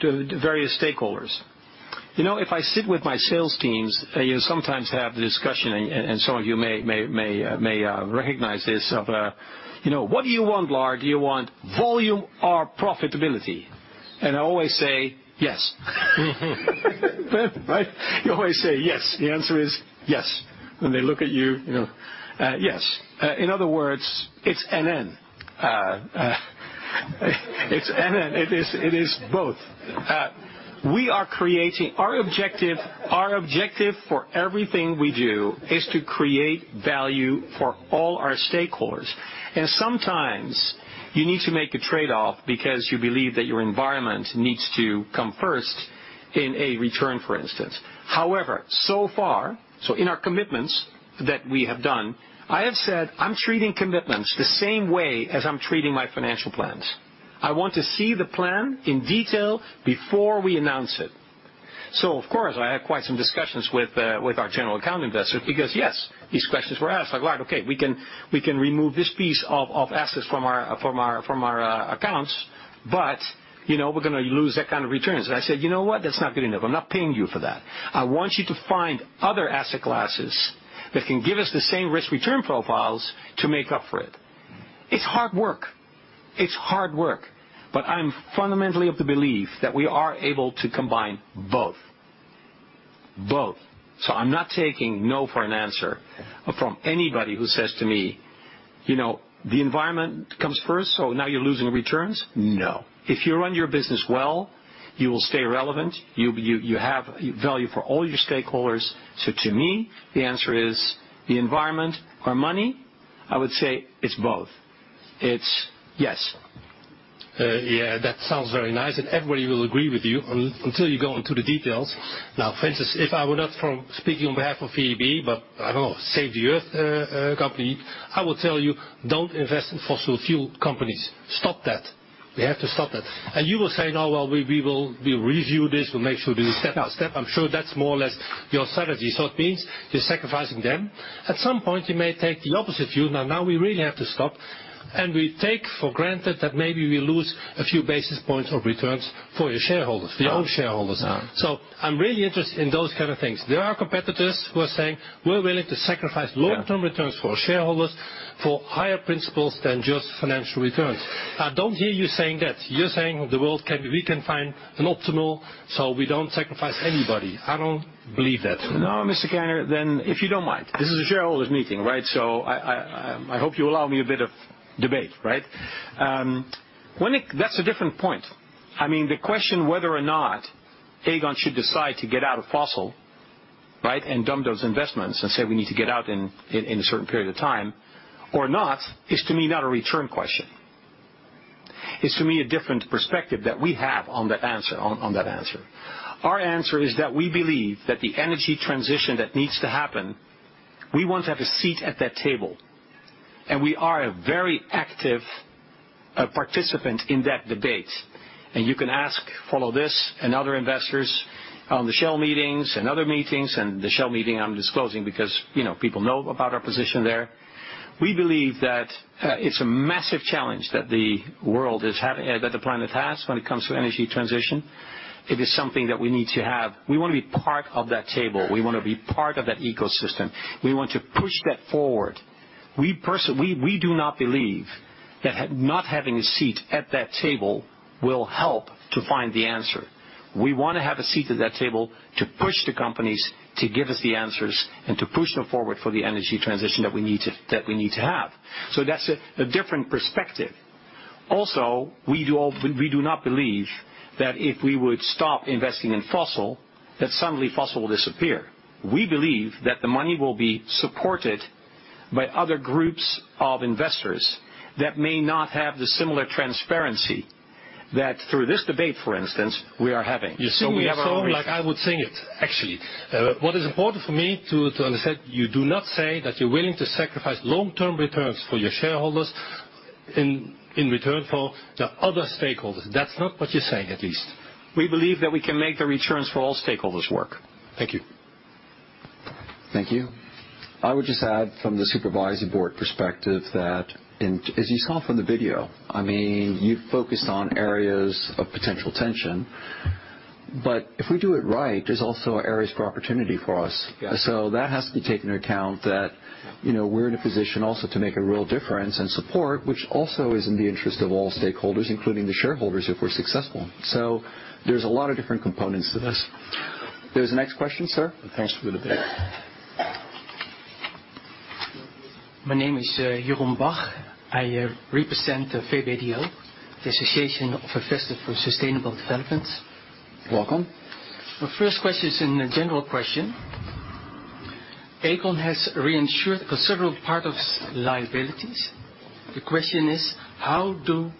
to the various stakeholders. You know, if I sit with my sales teams, you sometimes have the discussion, and some of you may recognize this of, you know, "What do you want, Lard? Do you want volume or profitability?" I always say, "Yes." Right? You always say, yes. The answer is yes. They look at you know, yes. In other words, it's NN. It is both. Our objective for everything we do is to create value for all our stakeholders. Sometimes you need to make a trade-off because you believe that your environment needs to come first in a return, for instance. However, so far, in our commitments that we have done, I have said, I'm treating commitments the same way as I'm treating my financial plans. I want to see the plan in detail before we announce it. Of course, I had quite some discussions with our general account investors because these questions were asked like, "All right, okay, we can remove this piece of assets from our accounts, but you know, we're gonna lose that kind of returns." I said, "You know what? That's not good enough. I'm not paying you for that. I want you to find other asset classes that can give us the same risk-return profiles to make up for it." It's hard work. But I'm fundamentally of the belief that we are able to combine both. I'm not taking no for an answer from anybody who says to me, "You know, the environment comes first, so now you're losing returns." No. If you run your business well, you will stay relevant. You have value for all your stakeholders. To me, the answer is the environment or money? I would say it's both. It's yes. Yeah, that sounds very nice, and everybody will agree with you until you go into the details. Now, for instance, if I were not from speaking on behalf of VEB, but I don't know, save the Earth company, I will tell you, don't invest in fossil fuel companies. Stop that. We have to stop that. You will say, "No, well, we will. We'll review this. We'll make sure to do step by step." I'm sure that's more or less your strategy. It means you're sacrificing them. At some point, you may take the opposite view. Now, now we really have to stop, and we take for granted that maybe we lose a few basis points of returns for your shareholders, for your own shareholders. Ah. Ah. I'm really interested in those kind of things. There are competitors who are saying, "We're willing to sacrifice. Yeah. “Long-term returns for our shareholders for higher principles than just financial returns.” I don't hear you saying that. You're saying we can find an optimal so we don't sacrifice anybody. I don't believe that. No, Mr. Keyner. If you don't mind, this is a shareholders meeting, right? I hope you allow me a bit of debate, right? That's a different point. I mean, the question whether or not Aegon should decide to get out of fossil, right, and dump those investments and say, we need to get out in a certain period of time or not, is, to me, not a return question. It's, to me, a different perspective that we have on that answer, on that answer. Our answer is that we believe that the energy transition that needs to happen, we want to have a seat at that table. We are a very active participant in that debate. You can ask all of this and other investors on the Shell meetings and other meetings. The Shell meeting, I'm disclosing because, you know, people know about our position there. We believe that it's a massive challenge that the planet has when it comes to energy transition. It is something that we need to have. We wanna be part of that table. We wanna be part of that ecosystem. We want to push that forward. We do not believe that not having a seat at that table will help to find the answer. We wanna have a seat at that table to push the companies to give us the answers and to push them forward for the energy transition that we need to have. That's a different perspective. We do not believe that if we would stop investing in fossil, that suddenly fossil will disappear. We believe that the money will be supported by other groups of investors that may not have the similar transparency that through this debate, for instance, we are having. We have our own reasons. You sing me a song like I would sing it, actually. What is important for me to understand, you do not say that you're willing to sacrifice long-term returns for your shareholders in return for the other stakeholders. That's not what you're saying, at least. We believe that we can make the returns for all stakeholders work. Thank you. Thank you. I would just add from the supervisory board perspective that as you saw from the video, I mean, you focused on areas of potential tension. If we do it right, there's also areas for opportunity for us. Yeah. that has to be taken into account that, you know, we're in a position also to make a real difference and support, which also is in the interest of all stakeholders, including the shareholders, if we're successful. There's a lot of different components to this. There's the next question, sir. Thanks for the debate. My name is Jeroen Bach. I represent VBDO, the Association of Investors for Sustainable Development. Welcome. My first question is a general question. Aegon has reinsured a considerable part of liabilities. The question is. How do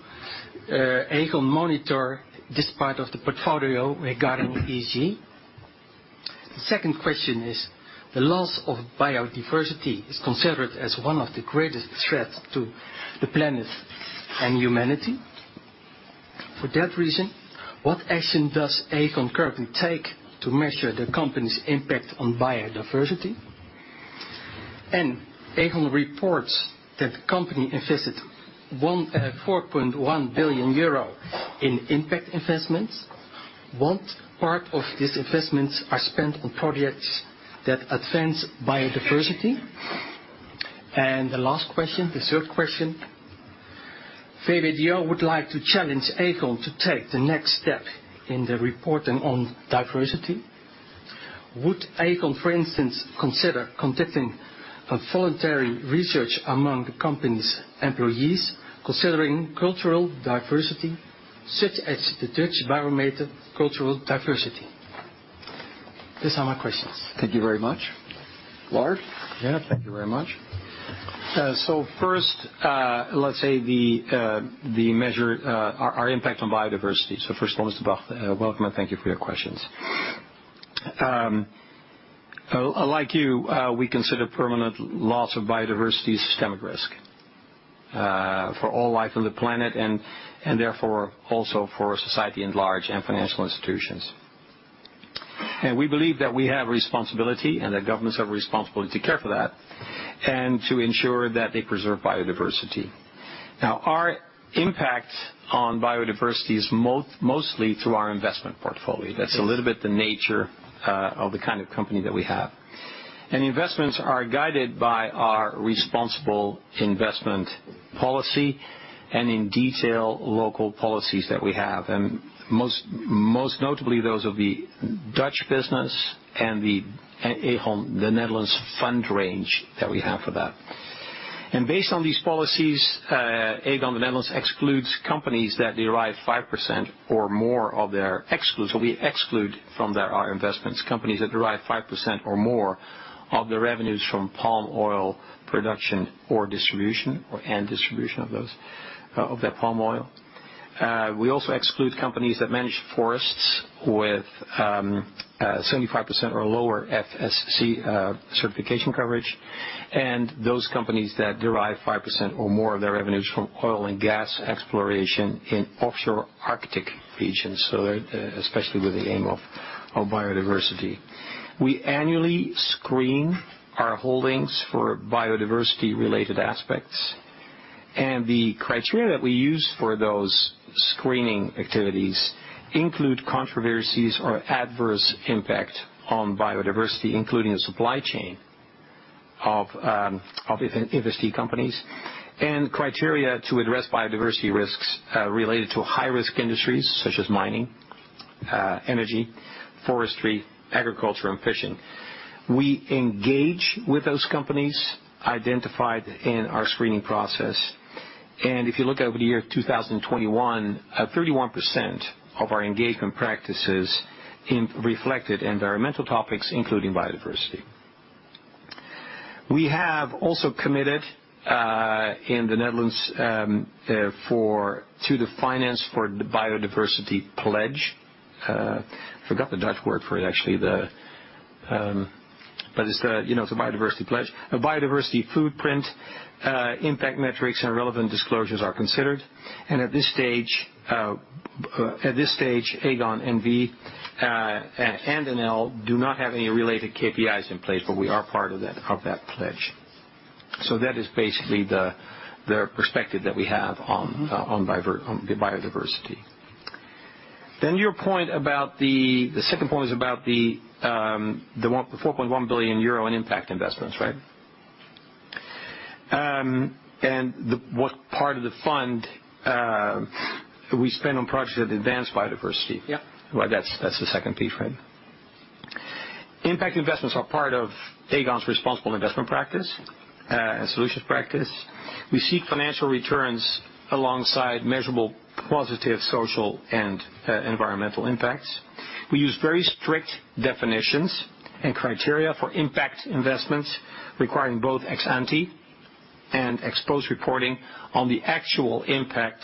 Aegon monitor this part of the portfolio regarding ESG? The second question is. The loss of biodiversity is considered as one of the greatest threats to the planet and humanity. For that reason, what action does Aegon currently take to measure the company's impact on biodiversity? Aegon reports that the company invested 4.1 billion euro in impact investments. What part of these investments are spent on projects that advance biodiversity? The last question, the third question, VBDO would like to challenge Aegon to take the next step in the reporting on diversity. Would Aegon, for instance, consider conducting a voluntary research among the company's employees considering cultural diversity such as the Dutch Barometer Cultural Diversity? These are my questions. Thank you very much. Lard? Thank you very much. First, let's measure our impact on biodiversity. First of all, Mr. Bach, welcome, and thank you for your questions. Like you, we consider permanent loss of biodiversity systemic risk for all life on the planet and therefore also for society at large and financial institutions. We believe that we have responsibility, and that governments have responsibility to care for that and to ensure that they preserve biodiversity. Now, our impact on biodiversity is mostly through our investment portfolio. That's a little bit the nature of the kind of company that we have. Investments are guided by our responsible investment policy and in detail local policies that we have, and most notably those of the Dutch business and the, as a whole, the Netherlands fund range that we have for that. Based on these policies, Aegon the Netherlands excludes companies that derive 5% or more of their revenues. We exclude from our investments, companies that derive 5% or more of their revenues from palm oil production or distribution of that palm oil. We also exclude companies that manage forests with 75% or lower FSC certification coverage, and those companies that derive 5% or more of their revenues from oil and gas exploration in offshore Arctic regions, especially with the aim of biodiversity. We annually screen our holdings for biodiversity-related aspects, and the criteria that we use for those screening activities include controversies or adverse impact on biodiversity, including the supply chain of investee companies, and criteria to address biodiversity risks related to high-risk industries such as mining, energy, forestry, agriculture, and fishing. We engage with those companies identified in our screening process. If you look over the year 2021, 31% of our engagement practices reflected environmental topics, including biodiversity. We have also committed in the Netherlands to the Finance for Biodiversity Pledge. Forgot the Dutch word for it, actually. But it's the, you know, it's the Biodiversity Pledge. A biodiversity footprint, impact metrics, and relevant disclosures are considered. At this stage, Aegon NV and NL do not have any related KPIs in place, but we are part of that pledge. That is basically the perspective that we have on biodiversity. Your point about the second point was about the 4.1 billion euro in impact investments, right? What part of the fund we spend on projects that advance biodiversity. Yeah. Well, that's the second piece, right? Impact investments are part of Aegon's responsible investment practice and solutions practice. We seek financial returns alongside measurable positive social and environmental impacts. We use very strict definitions and criteria for impact investments, requiring both ex-ante and ex-post reporting on the actual impact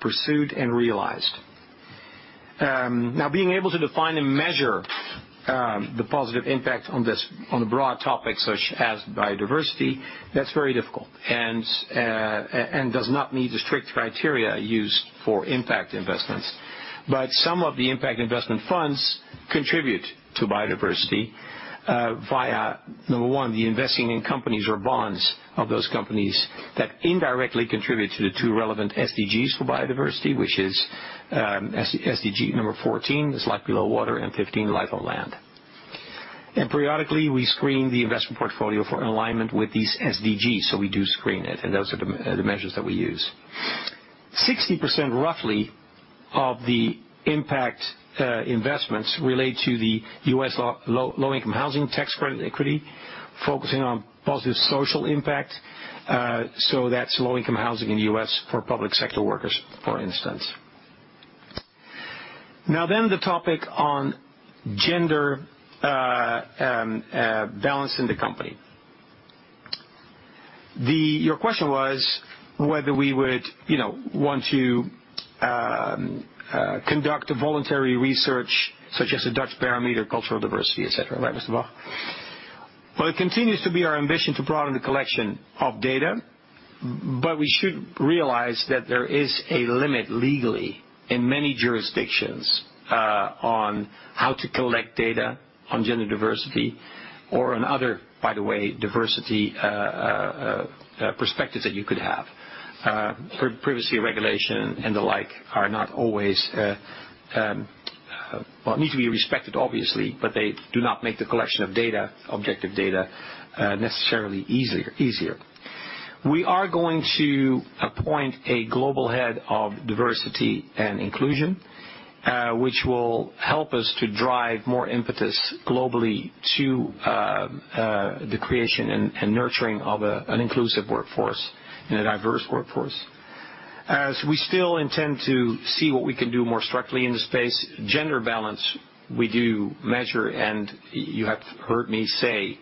pursued and realized. Now being able to define and measure the positive impact on this, on the broad topics such as biodiversity, that's very difficult and does not meet the strict criteria used for impact investments. Some of the impact investment funds contribute to biodiversity via, number one, the investing in companies or bonds of those companies that indirectly contribute to the two relevant SDGs for biodiversity, which is SDG number 14, life below water, and 15, life on land. Periodically, we screen the investment portfolio for alignment with these SDGs. We do screen it, and those are the measures that we use. 60%, roughly, of the impact investments relate to the U.S. Low-Income Housing Tax Credit equity, focusing on positive social impact. That's low-income housing in the U.S. for public sector workers, for instance. Now then, the topic on gender balance in the company. Your question was whether we would, you know, want to conduct a voluntary research such as a Dutch barometer, cultural diversity, etc., right, Mr. Bach? Well, it continues to be our ambition to broaden the collection of data, but we should realize that there is a limit legally in many jurisdictions on how to collect data on gender diversity or on other, by the way, diversity perspectives that you could have. For privacy regulation and the like are not always, well, need to be respected, obviously, but they do not make the collection of data, objective data, necessarily easier. We are going to appoint a global head of diversity and inclusion, which will help us to drive more impetus globally to the creation and nurturing of an inclusive workforce and a diverse workforce. As we still intend to see what we can do more structurally in this space, gender balance, we do measure, and you have heard me say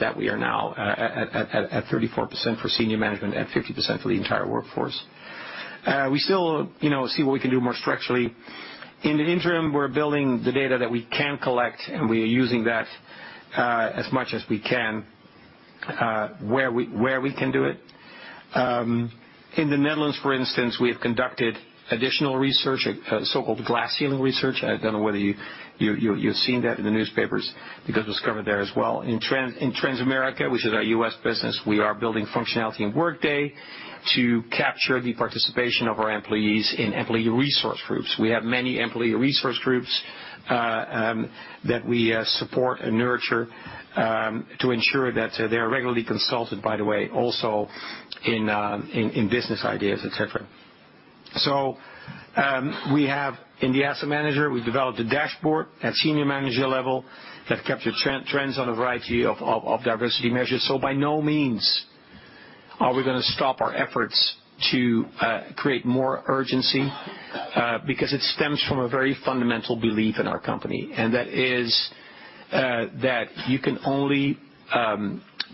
that we are now at 34% for senior management and 50% for the entire workforce. We still, you know, see what we can do more structurally. In the interim, we're building the data that we can collect, and we are using that as much as we can where we can do it. In the Netherlands, for instance, we have conducted additional research, a so-called glass ceiling research. I don't know whether you've seen that in the newspapers because it was covered there as well. In Transamerica, which is our U.S. business, we are building functionality in Workday to capture the participation of our employees in employee resource groups. We have many employee resource groups that we support and nurture to ensure that they are regularly consulted, by the way, also in business ideas, et cetera. We have in the asset manager we've developed a dashboard at senior manager level that captures trends on a variety of diversity measures. By no means are we gonna stop our efforts to create more urgency because it stems from a very fundamental belief in our company, and that is that you can only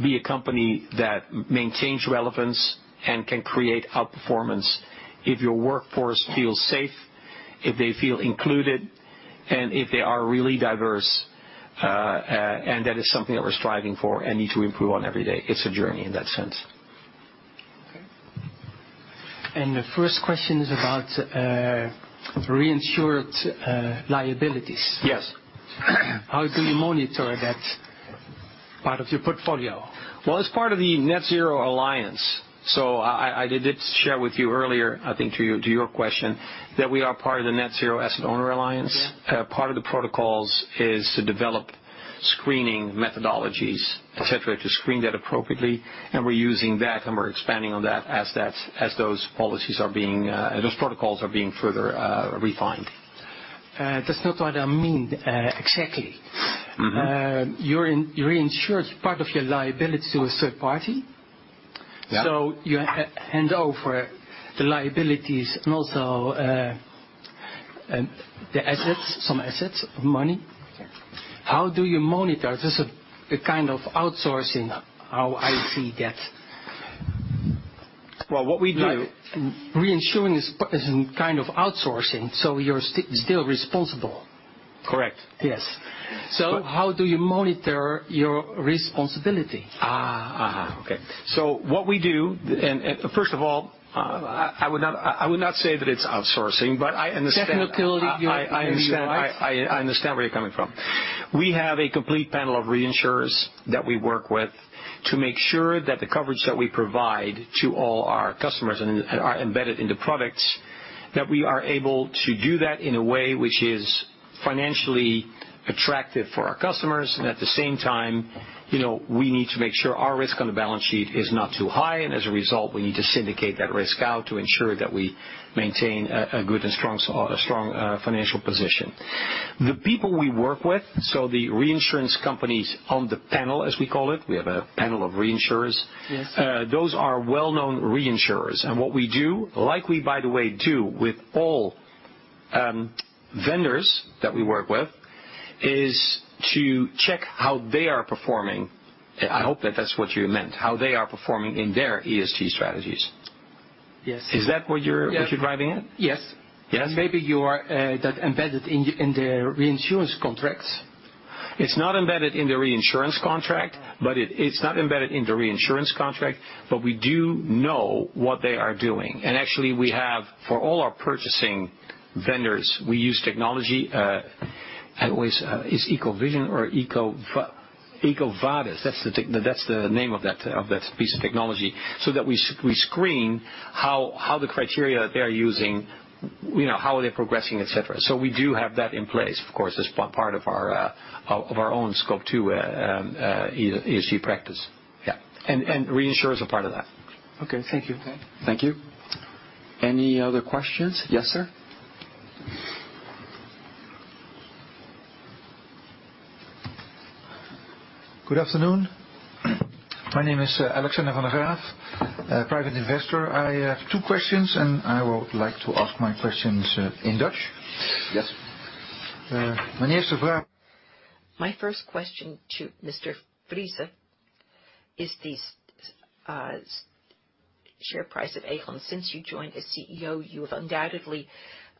be a company that maintains relevance and can create outperformance if your workforce feels safe, if they feel included, and if they are really diverse. And that is something that we're striving for and need to improve on every day. It's a journey in that sense. Okay. The first question is about reinsured liabilities. Yes. How do you monitor that part of your portfolio? Well, as part of the Net-Zero Alliance. I did share with you earlier, I think to your question, that we are part of the Net-Zero Asset Owner Alliance. Yeah. Part of the protocols is to develop screening methodologies, et cetera, to screen that appropriately. We're using that, and we're expanding on that as those protocols are being further refined. That's not what I mean, exactly. Mm-hmm. You reinsure part of your liability to a third party? Yeah. You hand over the liabilities and also the assets, some assets, money. Yeah. How do you monitor? This is a kind of outsourcing how I see that. Well, what we do. Reinsuring is a kind of outsourcing, so you're still responsible. Correct. Yes. But- How do you monitor your responsibility? What we do. First of all, I would not say that it's outsourcing, but I understand. Technically you're right. I understand where you're coming from. We have a complete panel of reinsurers that we work with to make sure that the coverage that we provide to all our customers and are embedded in the products, that we are able to do that in a way which is financially attractive for our customers. At the same time, you know, we need to make sure our risk on the balance sheet is not too high. As a result, we need to syndicate that risk out to ensure that we maintain a strong financial position. The people we work with, so the reinsurance companies on the panel, as we call it, we have a panel of reinsurers. Yes. Those are well-known reinsurers. What we do, like we, by the way, do with all, vendors that we work with, is to check how they are performing. I hope that that's what you meant, how they are performing in their ESG strategies. Yes. Is that what you're? Yeah. What you're driving at? Yes. Yes? Maybe you are that embedded in the reinsurance contracts. It's not embedded in the reinsurance contract. Oh. It's not embedded in the reinsurance contract, but we do know what they are doing. Actually, we have, for all our purchasing vendors, we use technology, it's EcoVadis, that's the name of that piece of technology, so that we screen how the criteria they're using, you know, how are they progressing, et cetera. We do have that in place, of course, as part of our own scope to ESG practice. Yeah. Reinsurer is a part of that. Okay. Thank you. Thank you. Any other questions? Yes, sir. Good afternoon. My name is Alexander van der Graaf, a private investor. I have two questions, and I would like to ask my questions in Dutch. Yes. My first question to Mr. Friese is the share price of Aegon. Since you joined as CEO, you have undoubtedly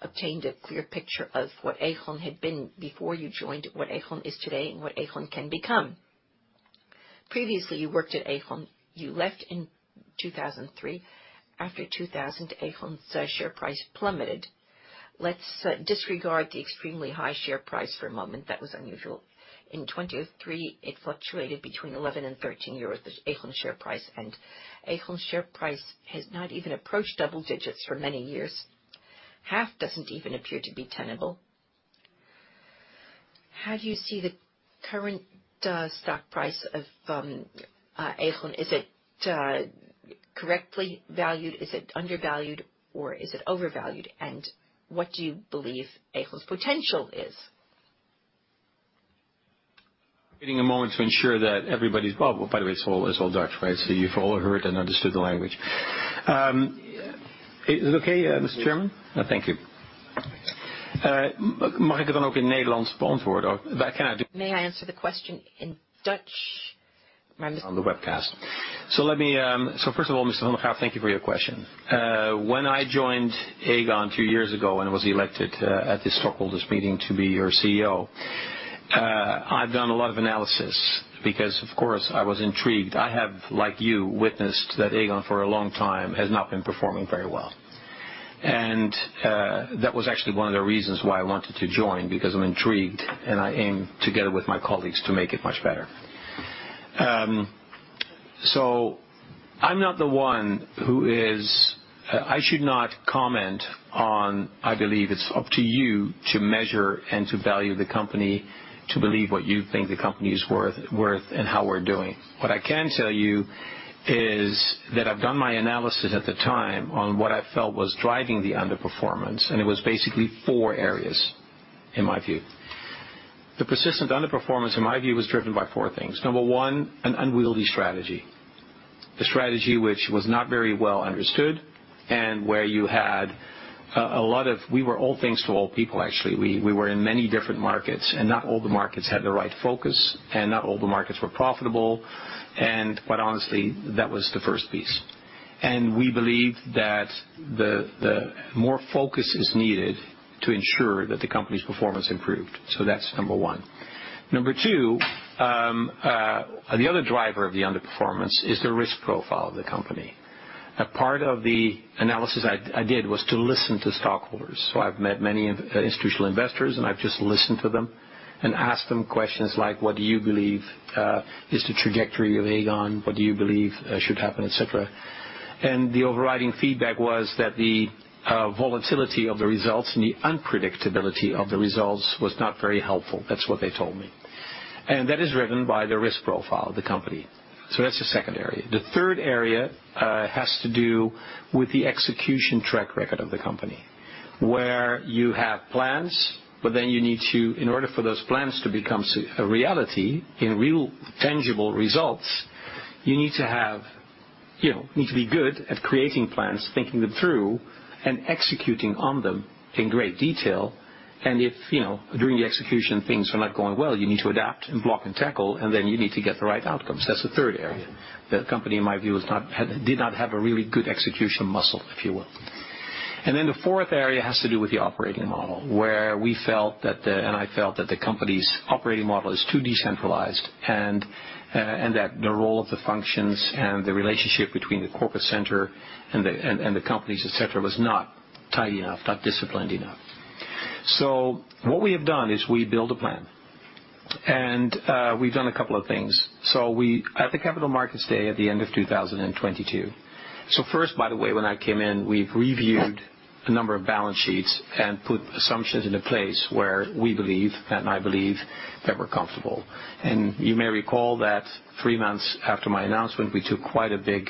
obtained a clear picture of what Aegon had been before you joined, what Aegon is today, and what Aegon can become. Previously, you worked at Aegon. You left in 2003. After 2000, Aegon's share price plummeted. Let's disregard the extremely high share price for a moment. That was unusual. In 2003, it fluctuated between 11 and 13 euros, the Aegon share price. Aegon's share price has not even approached double digits for many years. Half doesn't even appear to be tenable. How do you see the current stock price of Aegon? Is it correctly valued? Is it undervalued or is it overvalued? What do you believe Aegon's potential is? Waiting a moment to ensure that everybody's. Well, by the way, it's all Dutch, right? You've all heard and understood the language. Is it okay, Mr. Chairman? Yes. Thank you. May I answer the question in Dutch? May I answer the question in Dutch? On the webcast. First of all, Mr. van der Graaf, thank you for your question. When I joined Aegon two years ago and was elected at this stockholders meeting to be your CEO, I've done a lot of analysis because, of course, I was intrigued. I have, like you, witnessed that Aegon, for a long time, has not been performing very well. That was actually one of the reasons why I wanted to join, because I'm intrigued, and I aim, together with my colleagues, to make it much better. I'm not the one who is. I should not comment on. I believe it's up to you to measure and to value the company, to believe what you think the company is worth and how we're doing. What I can tell you is that I've done my analysis at the time on what I felt was driving the underperformance, and it was basically four areas, in my view. The persistent underperformance in my view was driven by four things. Number one, an unwieldy strategy. A strategy which was not very well understood. We were all things to all people, actually. We were in many different markets, and not all the markets had the right focus, and not all the markets were profitable. But honestly, that was the first piece. We believe that more focus is needed to ensure that the company's performance improved. That's number one. Number two, the other driver of the underperformance is the risk profile of the company. A part of the analysis I did was to listen to stockholders. I've met many institutional investors, and I've just listened to them and asked them questions like, "What do you believe is the trajectory of Aegon? What do you believe should happen," et cetera. The overriding feedback was that the volatility of the results and the unpredictability of the results was not very helpful. That's what they told me. That is driven by the risk profile of the company. That's the second area. The third area has to do with the execution track record of the company, where you have plans, but then you need to, in order for those plans to become a reality, in real tangible results, you need to have, you know, you need to be good at creating plans, thinking them through, and executing on them in great detail. If, you know, during the execution, things are not going well, you need to adapt and block and tackle, and then you need to get the right outcomes. That's the third area. The company, in my view, did not have a really good execution muscle, if you will. The fourth area has to do with the operating model, where we felt that the. I felt that the company's operating model is too decentralized and that the role of the functions and the relationship between the corporate center and the companies, et cetera, was not tidy enough, not disciplined enough. What we have done is we built a plan. We've done a couple of things. At the Capital Markets Day at the end of 2022, first, by the way, when I came in, we reviewed a number of balance sheets and put assumptions into place where we believe, and I believe, that we're comfortable. You may recall that three months after my announcement, we took quite a big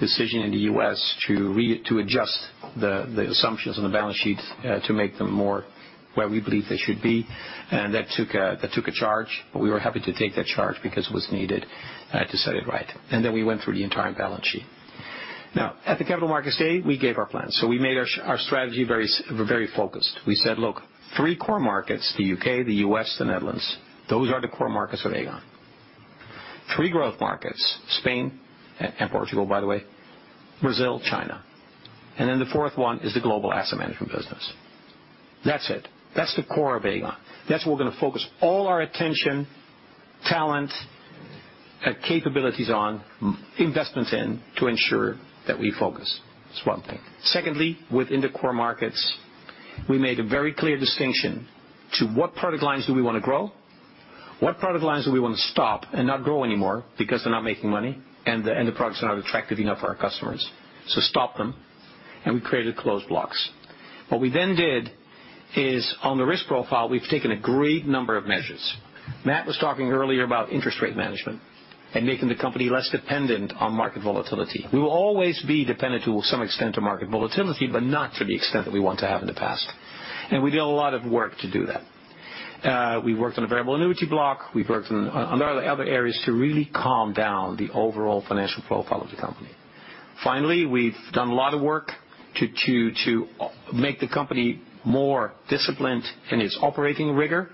decision in the U.S. to adjust the assumptions on the balance sheet to make them more where we believe they should be. That took a charge, but we were happy to take that charge because it was needed to set it right. Then we went through the entire balance sheet. Now, at the Capital Markets Day, we gave our plan. We made our strategy very focused. We said, "Look, three core markets, the U.K., the U.S., the Netherlands, those are the core markets of Aegon. Three growth markets, Spain and Portugal, by the way, Brazil, China. Then the fourth one is the global asset management business." That's it. That's the core of Aegon. That's where we're gonna focus all our attention, talent, capabilities on, investments in, to ensure that we focus. That's one thing. Secondly, within the core markets, we made a very clear distinction to what product lines do we wanna grow, what product lines do we wanna stop and not grow anymore because they're not making money, and the products are not attractive enough for our customers. Stop them. We created closed blocks. What we then did is on the risk profile, we've taken a great number of measures. Matt was talking earlier about interest rate management and making the company less dependent on market volatility. We will always be dependent to some extent to market volatility, but not to the extent that we want to have in the past. We did a lot of work to do that. We worked on a variable annuity block. We've worked on a lot of other areas to really calm down the overall financial profile of the company. Finally, we've done a lot of work to make the company more disciplined in its operating rigor,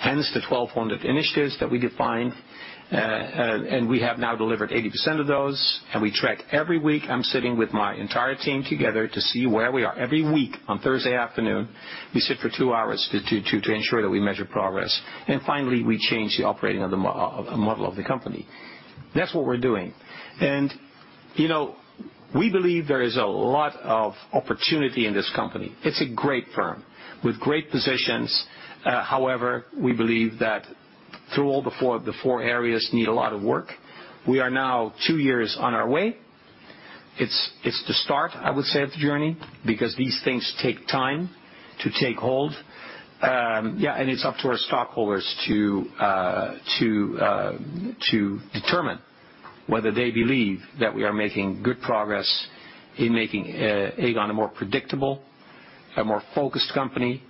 hence the 1,200 initiatives that we defined. We have now delivered 80% of those, and we track every week. I'm sitting with my entire team together to see where we are. Every week on Thursday afternoon, we sit for two hours to ensure that we measure progress. Finally, we change the operating of the model of the company. That's what we're doing. You know, we believe there is a lot of opportunity in this company. It's a great firm with great positions. However, we believe that the four areas need a lot of work. We are now two years on our way. It's the start, I would say, of the journey, because these things take time to take hold. It's up to our stockholders to determine whether they believe that we are making good progress in making Aegon a more predictable, a more focused company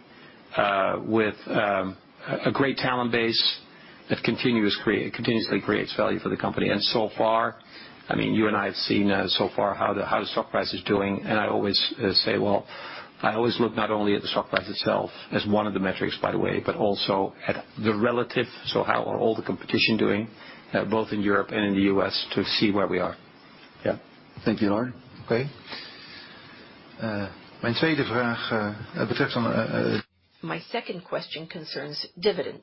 with a great talent base that continuously creates value for the company. So far, you and I have seen how the stock price is doing. I always say I look not only at the stock price itself as one of the metrics, by the way, but also at the relative, so how are all the competition doing both in Europe and in the U.S. to see where we are. Yeah. Thank you, Lard. Okay. My second question concerns dividend.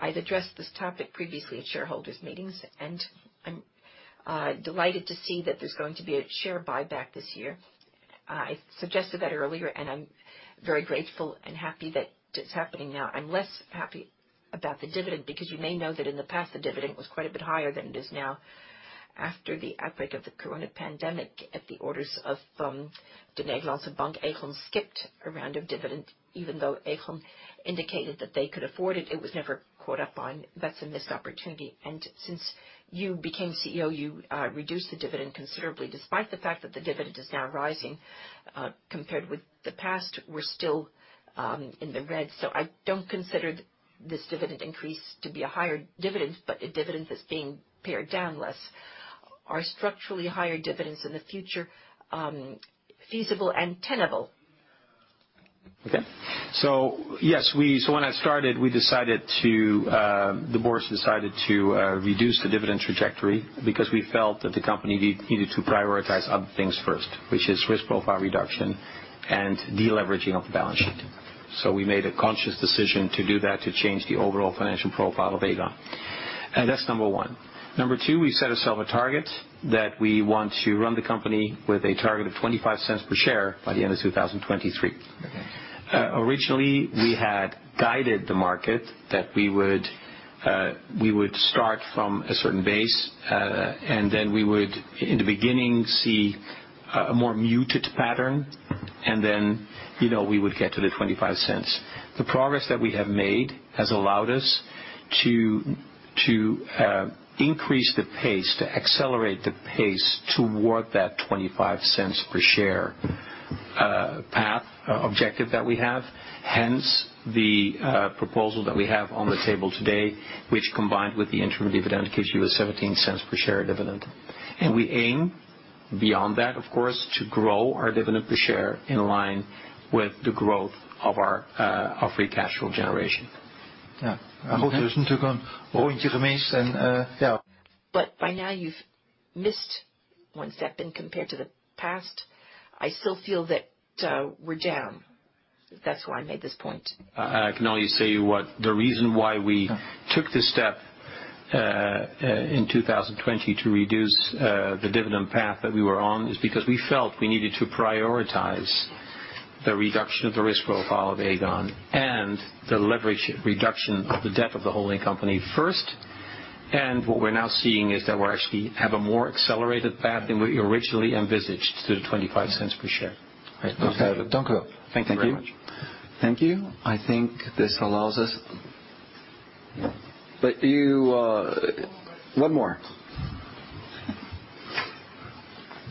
I've addressed this topic previously at shareholders meetings, and I'm delighted to see that there's going to be a share buyback this year. I suggested that earlier, and I'm very grateful and happy that it's happening now. I'm less happy about the dividend because you may know that in the past, the dividend was quite a bit higher than it is now. After the outbreak of the COVID pandemic, at the orders of De Nederlandsche Bank, Aegon skipped a round of dividend. Even though Aegon indicated that they could afford it was never caught up on. That's a missed opportunity. Since you became CEO, you reduced the dividend considerably. Despite the fact that the dividend is now rising, compared with the past, we're still in the red. I don't consider this dividend increase to be a higher dividend, but a dividend that's being pared down less. Are structurally higher dividends in the future, feasible and tenable? When I started, we decided to, the board decided to reduce the dividend trajectory because we felt that the company needed to prioritize other things first, which is risk profile reduction and deleveraging of the balance sheet. We made a conscious decision to do that, to change the overall financial profile of Aegon. That's number one. Number two, we set ourself a target that we want to run the company with a target of 0.25 per share by the end of 2023. Okay. Originally, we had guided the market that we would start from a certain base, and then we would, in the beginning, see a more muted pattern, and then, you know, we would get to the 0.25 per share. The progress that we have made has allowed us to increase the pace, to accelerate the pace toward that 0.25 per share path objective that we have. Hence, the proposal that we have on the table today, which combined with the interim dividend, gives you a 0.17 per share dividend. We aim beyond that, of course, to grow our dividend per share in line with the growth of our free cash flow generation. Yeah. Yeah. By now you've missed one step. Compared to the past, I still feel that, we're down. That's why I made this point. I can only say what the reason why we took this step in 2020 to reduce the dividend path that we were on is because we felt we needed to prioritize the reduction of the risk profile of Aegon and the leverage reduction of the debt of the holding company first. What we're now seeing is that we're actually have a more accelerated path than we originally envisaged to the 0.25 per share. Thank you very much. Thank you. Thank you. I think this allows us. You, one more.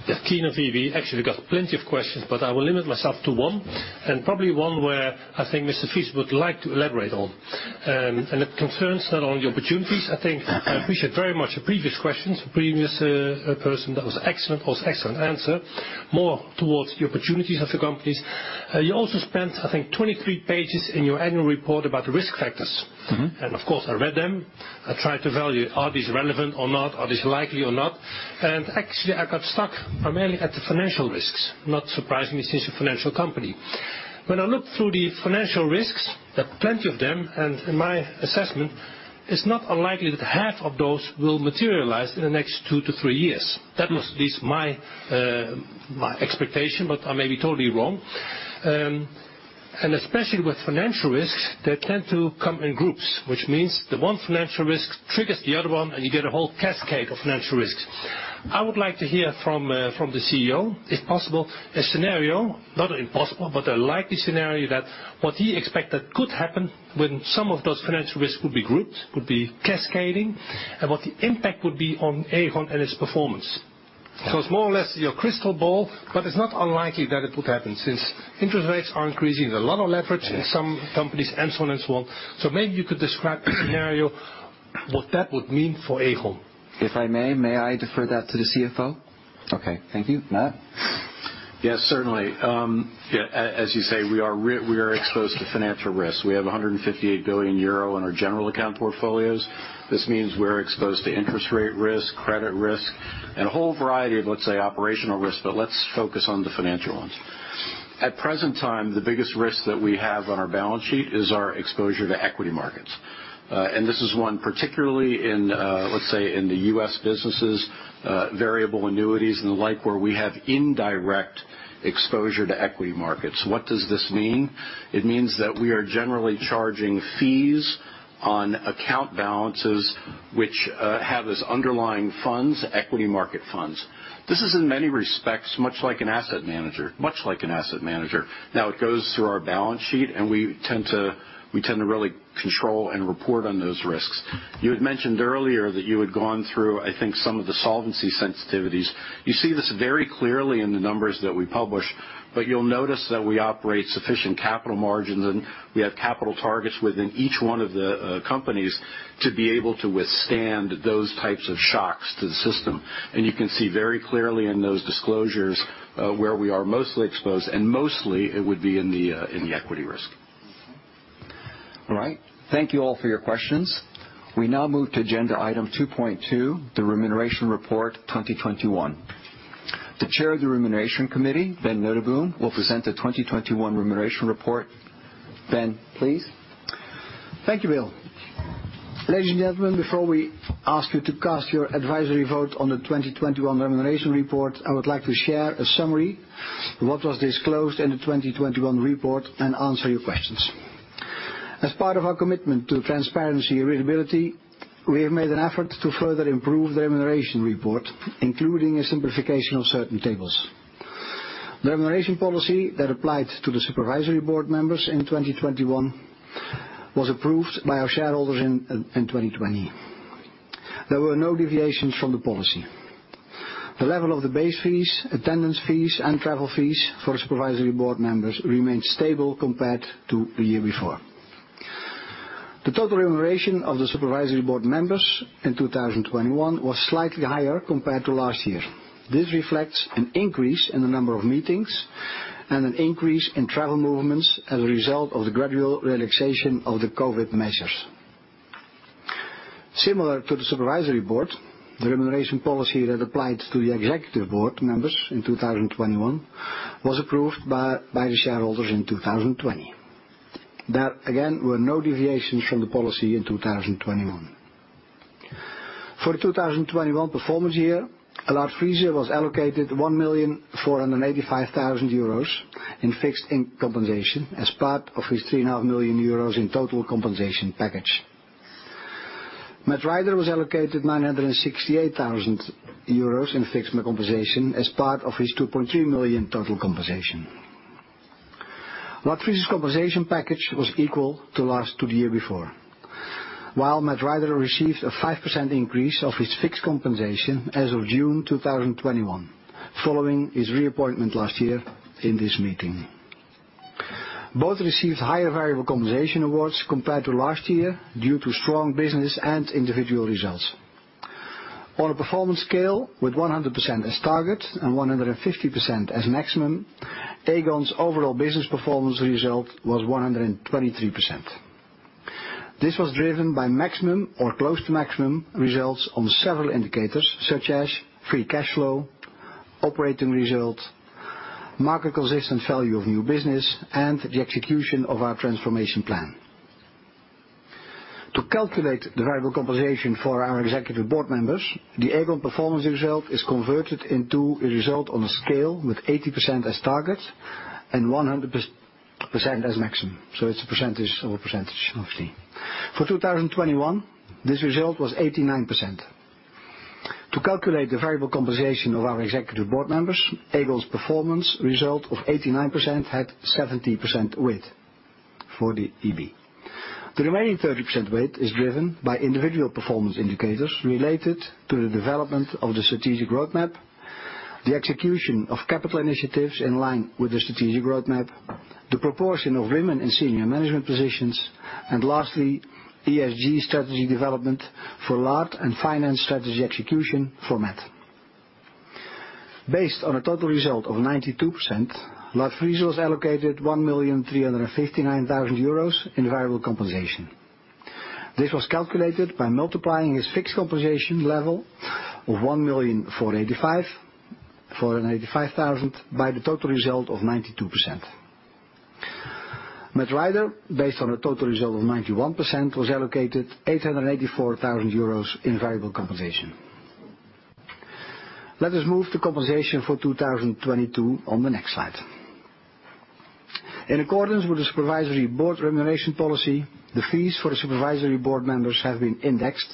Yeah. Keyner of VEB. Actually, we've got plenty of questions, but I will limit myself to one, and probably one where I think Mr. Friese would like to elaborate on. It concerns not only opportunities. I think I appreciate very much the previous questions. The previous person. That was excellent. Excellent answer. More towards the opportunities of the companies. You also spent, I think, 23 pages in your annual report about the risk factors. Mm-hmm. Of course, I read them. I tried to value, are these relevant or not? Are these likely or not? Actually, I got stuck primarily at the financial risks. Not surprisingly, this is a financial company. When I look through the financial risks, there are plenty of them. In my assessment, it's not unlikely that half of those will materialize in the next 2-3 years. That was at least my expectation, but I may be totally wrong. Especially with financial risks, they tend to come in groups, which means the one financial risk triggers the other one, and you get a whole cascade of financial risks. I would like to hear from the CEO, if possible, a scenario, not impossible, but a likely scenario that what he expects that could happen when some of those financial risks could be grouped, could be cascading, and what the impact would be on Aegon and its performance. It's more or less your crystal ball, but it's not unlikely that it would happen since interest rates are increasing. There's a lot of leverage in some companies and so on and so on. Maybe you could describe a scenario, what that would mean for Aegon. If I may I defer that to the CFO? Okay. Thank you. Matt? Yes, certainly. As you say, we are exposed to financial risks. We have 158 billion euro in our general account portfolios. This means we're exposed to interest rate risk, credit risk, and a whole variety of, let's say, operational risk, but let's focus on the financial ones. At present time, the biggest risk that we have on our balance sheet is our exposure to equity markets. This is one, particularly in, let's say in the U.S. businesses, variable annuities and the like, where we have indirect exposure to equity markets. What does this mean? It means that we are generally charging fees on account balances which have as underlying funds, equity market funds. This is in many respects, much like an asset manager. Now, it goes through our balance sheet, and we tend to really control and report on those risks. You had mentioned earlier that you had gone through, I think, some of the solvency sensitivities. You see this very clearly in the numbers that we publish, but you'll notice that we operate sufficient capital margins and we have capital targets within each one of the companies to be able to withstand those types of shocks to the system. You can see very clearly in those disclosures where we are mostly exposed, and mostly it would be in the equity risk. All right. Thank you all for your questions. We now move to agenda item 2.2, the Remuneration Report 2021. The chair of the Remuneration Committee, Ben Noteboom, will present the 2021 Remuneration Report. Ben, please. Thank you, Will. Ladies and gentlemen, before we ask you to cast your advisory vote on the 2021 Remuneration Report, I would like to share a summary of what was disclosed in the 2021 report and answer your questions. As part of our commitment to transparency and readability, we have made an effort to further improve the Remuneration Report, including a simplification of certain tables. The remuneration policy that applied to the supervisory board members in 2021 was approved by our shareholders in 2020. There were no deviations from the policy. The level of the base fees, attendance fees, and travel fees for supervisory board members remained stable compared to the year before. The total remuneration of the supervisory board members in 2021 was slightly higher compared to last year. This reflects an increase in the number of meetings and an increase in travel movements as a result of the gradual relaxation of the COVID measures. Similar to the supervisory board, the remuneration policy that applied to the executive board members in 2021 was approved by the shareholders in 2020. There again were no deviations from the policy in 2021. For the 2021 performance year, Lard Friese was allocated 1.485 million euros in fixed compensation as part of his 3.5 million euros in total compensation package. Matt Rider was allocated 968,000 euros in fixed compensation as part of his 2.3 million total compensation. Lard Friese's compensation package was equal to the year before. While Matt Rider received a 5% increase of his fixed compensation as of June 2021, following his reappointment last year in this meeting. Both received higher variable compensation awards compared to last year due to strong business and individual results. On a performance scale with 100% as target and 150% as maximum, Aegon's overall business performance result was 123%. This was driven by maximum or close to maximum results on several indicators, such as free cash flow, operating result, market-consistent value of new business, and the execution of our transformation plan. To calculate the variable compensation for our executive board members, the Aegon performance result is converted into a result on a scale with 80% as targets and 100% as maximum. It's a percentage over percentage obviously. For 2021, this result was 89%. To calculate the variable compensation of our executive board members, Aegon's performance result of 89% had 70% weight for the EB. The remaining 30% weight is driven by individual performance indicators related to the development of the strategic roadmap, the execution of capital initiatives in line with the strategic roadmap, the proportion of women in senior management positions, and lastly, ESG strategy development for Lard and finance strategy execution for Matt. Based on a total result of 92%, Lard Friese was allocated 1,359,000 euros in variable compensation. This was calculated by multiplying his fixed compensation level of 1,485,000 by the total result of 92%. Matt Rider, based on a total result of 91%, was allocated 884,000 euros in variable compensation. Let us move to compensation for 2022 on the next slide. In accordance with the supervisory board remuneration policy, the fees for the supervisory board members have been indexed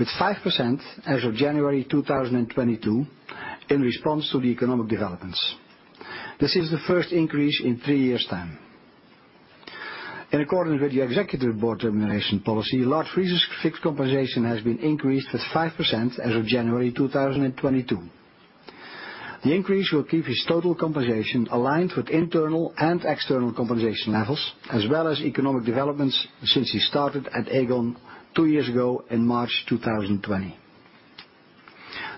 with 5% as of January 2022 in response to the economic developments. This is the first increase in three years' time. In accordance with the executive board remuneration policy, Lard Friese's fixed compensation has been increased with 5% as of January 2022. The increase will keep his total compensation aligned with internal and external compensation levels, as well as economic developments since he started at Aegon two years ago in March 2020.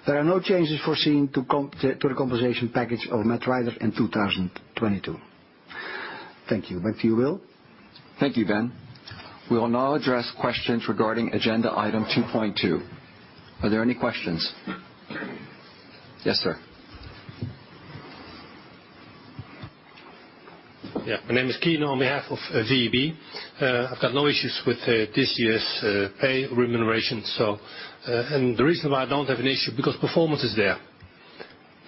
There are no changes foreseen to the compensation package of Matt Rider in 2022. Thank you. Back to you, Will. Thank you, Ben. We will now address questions regarding agenda item 2.2. Are there any questions? Yes, sir. Yeah. My name is Keyner on behalf of VEB. I've got no issues with this year's pay remuneration, so. The reason why I don't have an issue, because performance is there.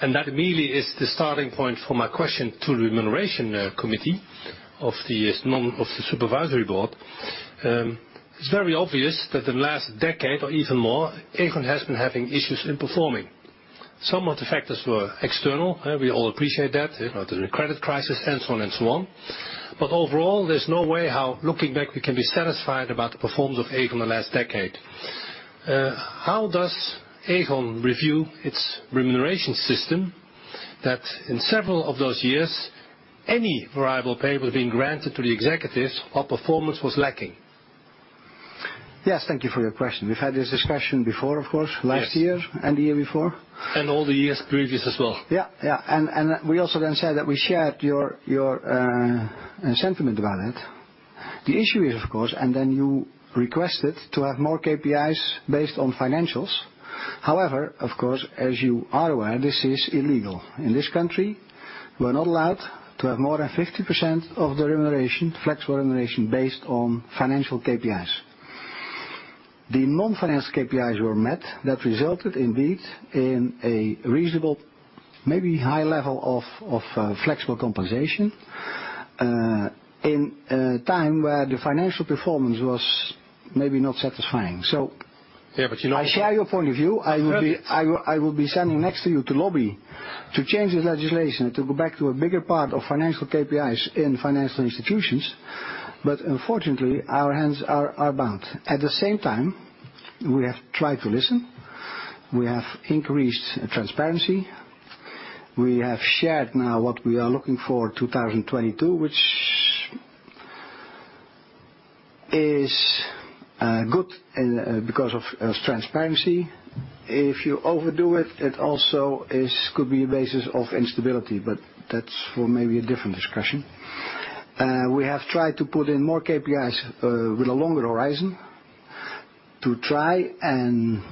That immediately is the starting point for my question to the Remuneration Committee of the Supervisory Board. It's very obvious that in the last decade or even more, Aegon has been having issues in performing. Some of the factors were external. We all appreciate that. You know, the credit crisis and so on and so on. But overall, there's no way how, looking back, we can be satisfied about the performance of Aegon in the last decade. How does Aegon review its remuneration system that in several of those years, any variable pay was being granted to the executives while performance was lacking? Yes. Thank you for your question. We've had this discussion before, of course. Yes. Last year and the year before. All the years previous as well. Yeah, yeah. We also said that we shared your sentiment about it. The issue is, of course, then you requested to have more KPIs based on financials. However, of course, as you are aware, this is illegal. In this country, we're not allowed to have more than 50% of the remuneration, flexible remuneration, based on financial KPIs. The non-financial KPIs were met. That resulted indeed in a reasonable, maybe high level of flexible compensation in a time where the financial performance was maybe not satisfying. Yeah, you know. I share your point of view. But that- I will be standing next to you to lobby to change the legislation to go back to a bigger part of financial KPIs in financial institutions. Unfortunately, our hands are bound. At the same time, we have tried to listen. We have increased transparency. We have shared now what we are looking for 2022, which is good because of its transparency. If you overdo it also could be a basis of instability, but that's for maybe a different discussion. We have tried to put in more KPIs with a longer horizon to try and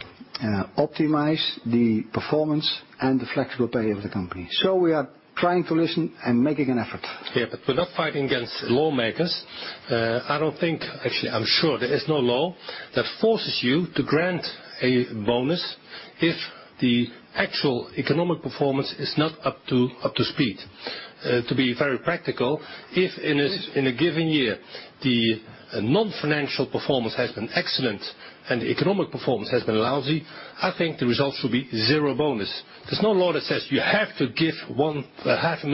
optimize the performance and the flexible pay of the company. We are trying to listen and making an effort. Yeah, we're not fighting against lawmakers. I don't think, actually I'm sure there is no law that forces you to grant a bonus if the actual economic performance is not up to speed. To be very practical, if in a given year, the non-financial performance has been excellent and the economic performance has been lousy, I think the results should be zero bonus. There's no law that says you have to give a 500,000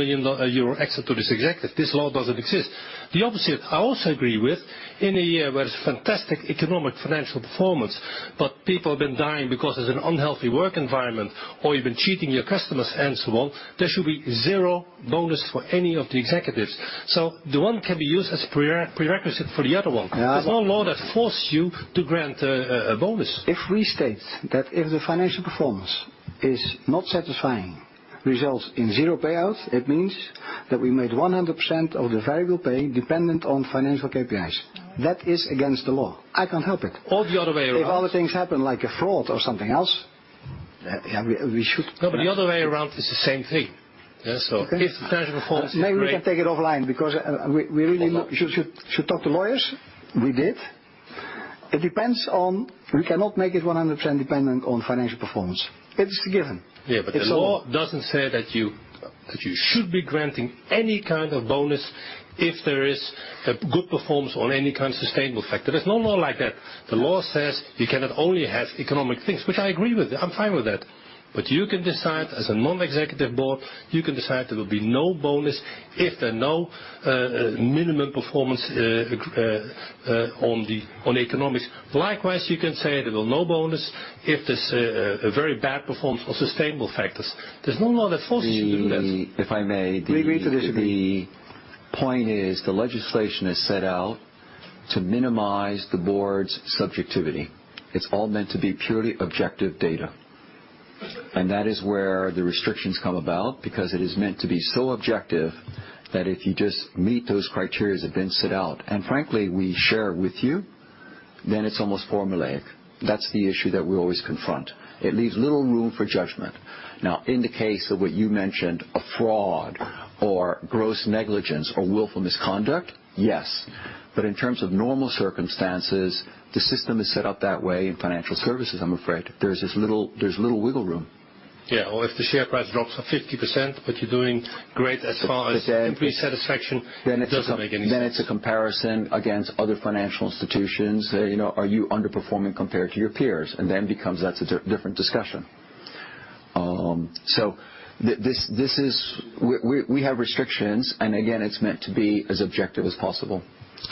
euro extra to this executive. This law doesn't exist. The opposite, I also agree with. In a year where it's fantastic economic, financial performance, but people have been dying because it's an unhealthy work environment, or you've been cheating your customers and so on, there should be zero bonus for any of the executives. The one can be used as a prerequisite for the other one. Yeah. There's no law that forces you to grant a bonus. If we state that if the financial performance is not satisfying, results in zero payouts, it means that we made 100% of the variable pay dependent on financial KPIs. That is against the law. I can't help it. The other way around. If other things happen like a fraud or something else, yeah, we should. No, but the other way around is the same thing. Yeah. Okay. If the financial performance is great. Maybe we can take it offline because we really look. Of course. We should talk to lawyers. We did. It depends on. We cannot make it 100% dependent on financial performance. It is a given. Yeah, the law doesn't say that you should be granting any kind of bonus if there is a good performance on any kind of sustainable factor. There's no law like that. The law says you cannot only have economic things. I agree with you, I'm fine with that. You can decide, as a non-executive board, there will be no bonus if there are no minimum performance on the economics. Likewise, you can say there will be no bonus if there's a very bad performance for sustainable factors. There's no law that forces you to do that. If I may. We agree to disagree. The point is the legislation is set out to minimize the board's subjectivity. It's all meant to be purely objective data. That is where the restrictions come about because it is meant to be so objective that if you just meet those criteria that have been set out, and frankly, we share with you, then it's almost formulaic. That's the issue that we always confront. It leaves little room for judgment. Now, in the case of what you mentioned, a fraud or gross negligence or willful misconduct, yes. In terms of normal circumstances, the system is set up that way in financial services, I'm afraid. There's little wiggle room. Yeah, or if the share price drops by 50%, but you're doing great as far as employee satisfaction. Then it's- It doesn't make any sense. It's a comparison against other financial institutions. You know, are you underperforming compared to your peers? Then it becomes that's a different discussion. This is. We have restrictions and again, it's meant to be as objective as possible.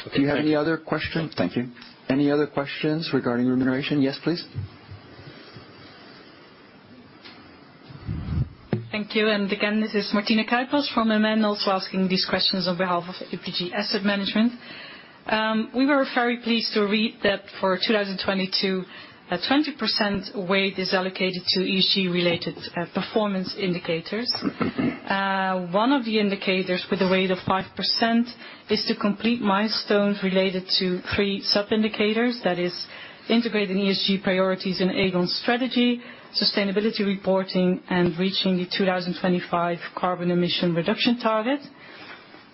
Okay. Do you have any other question? Thank you. Any other questions regarding remuneration? Yes, please. Thank you. Again, this is Martina Kuipers from MN, also asking these questions on behalf of APG Asset Management. We were very pleased to read that for 2022, a 20% weight is allocated to ESG-related performance indicators. One of the indicators with a weight of 5% is to complete milestones related to three sub-indicators, that is integrating ESG priorities in Aegon's strategy, sustainability reporting, and reaching the 2025 carbon emission reduction target.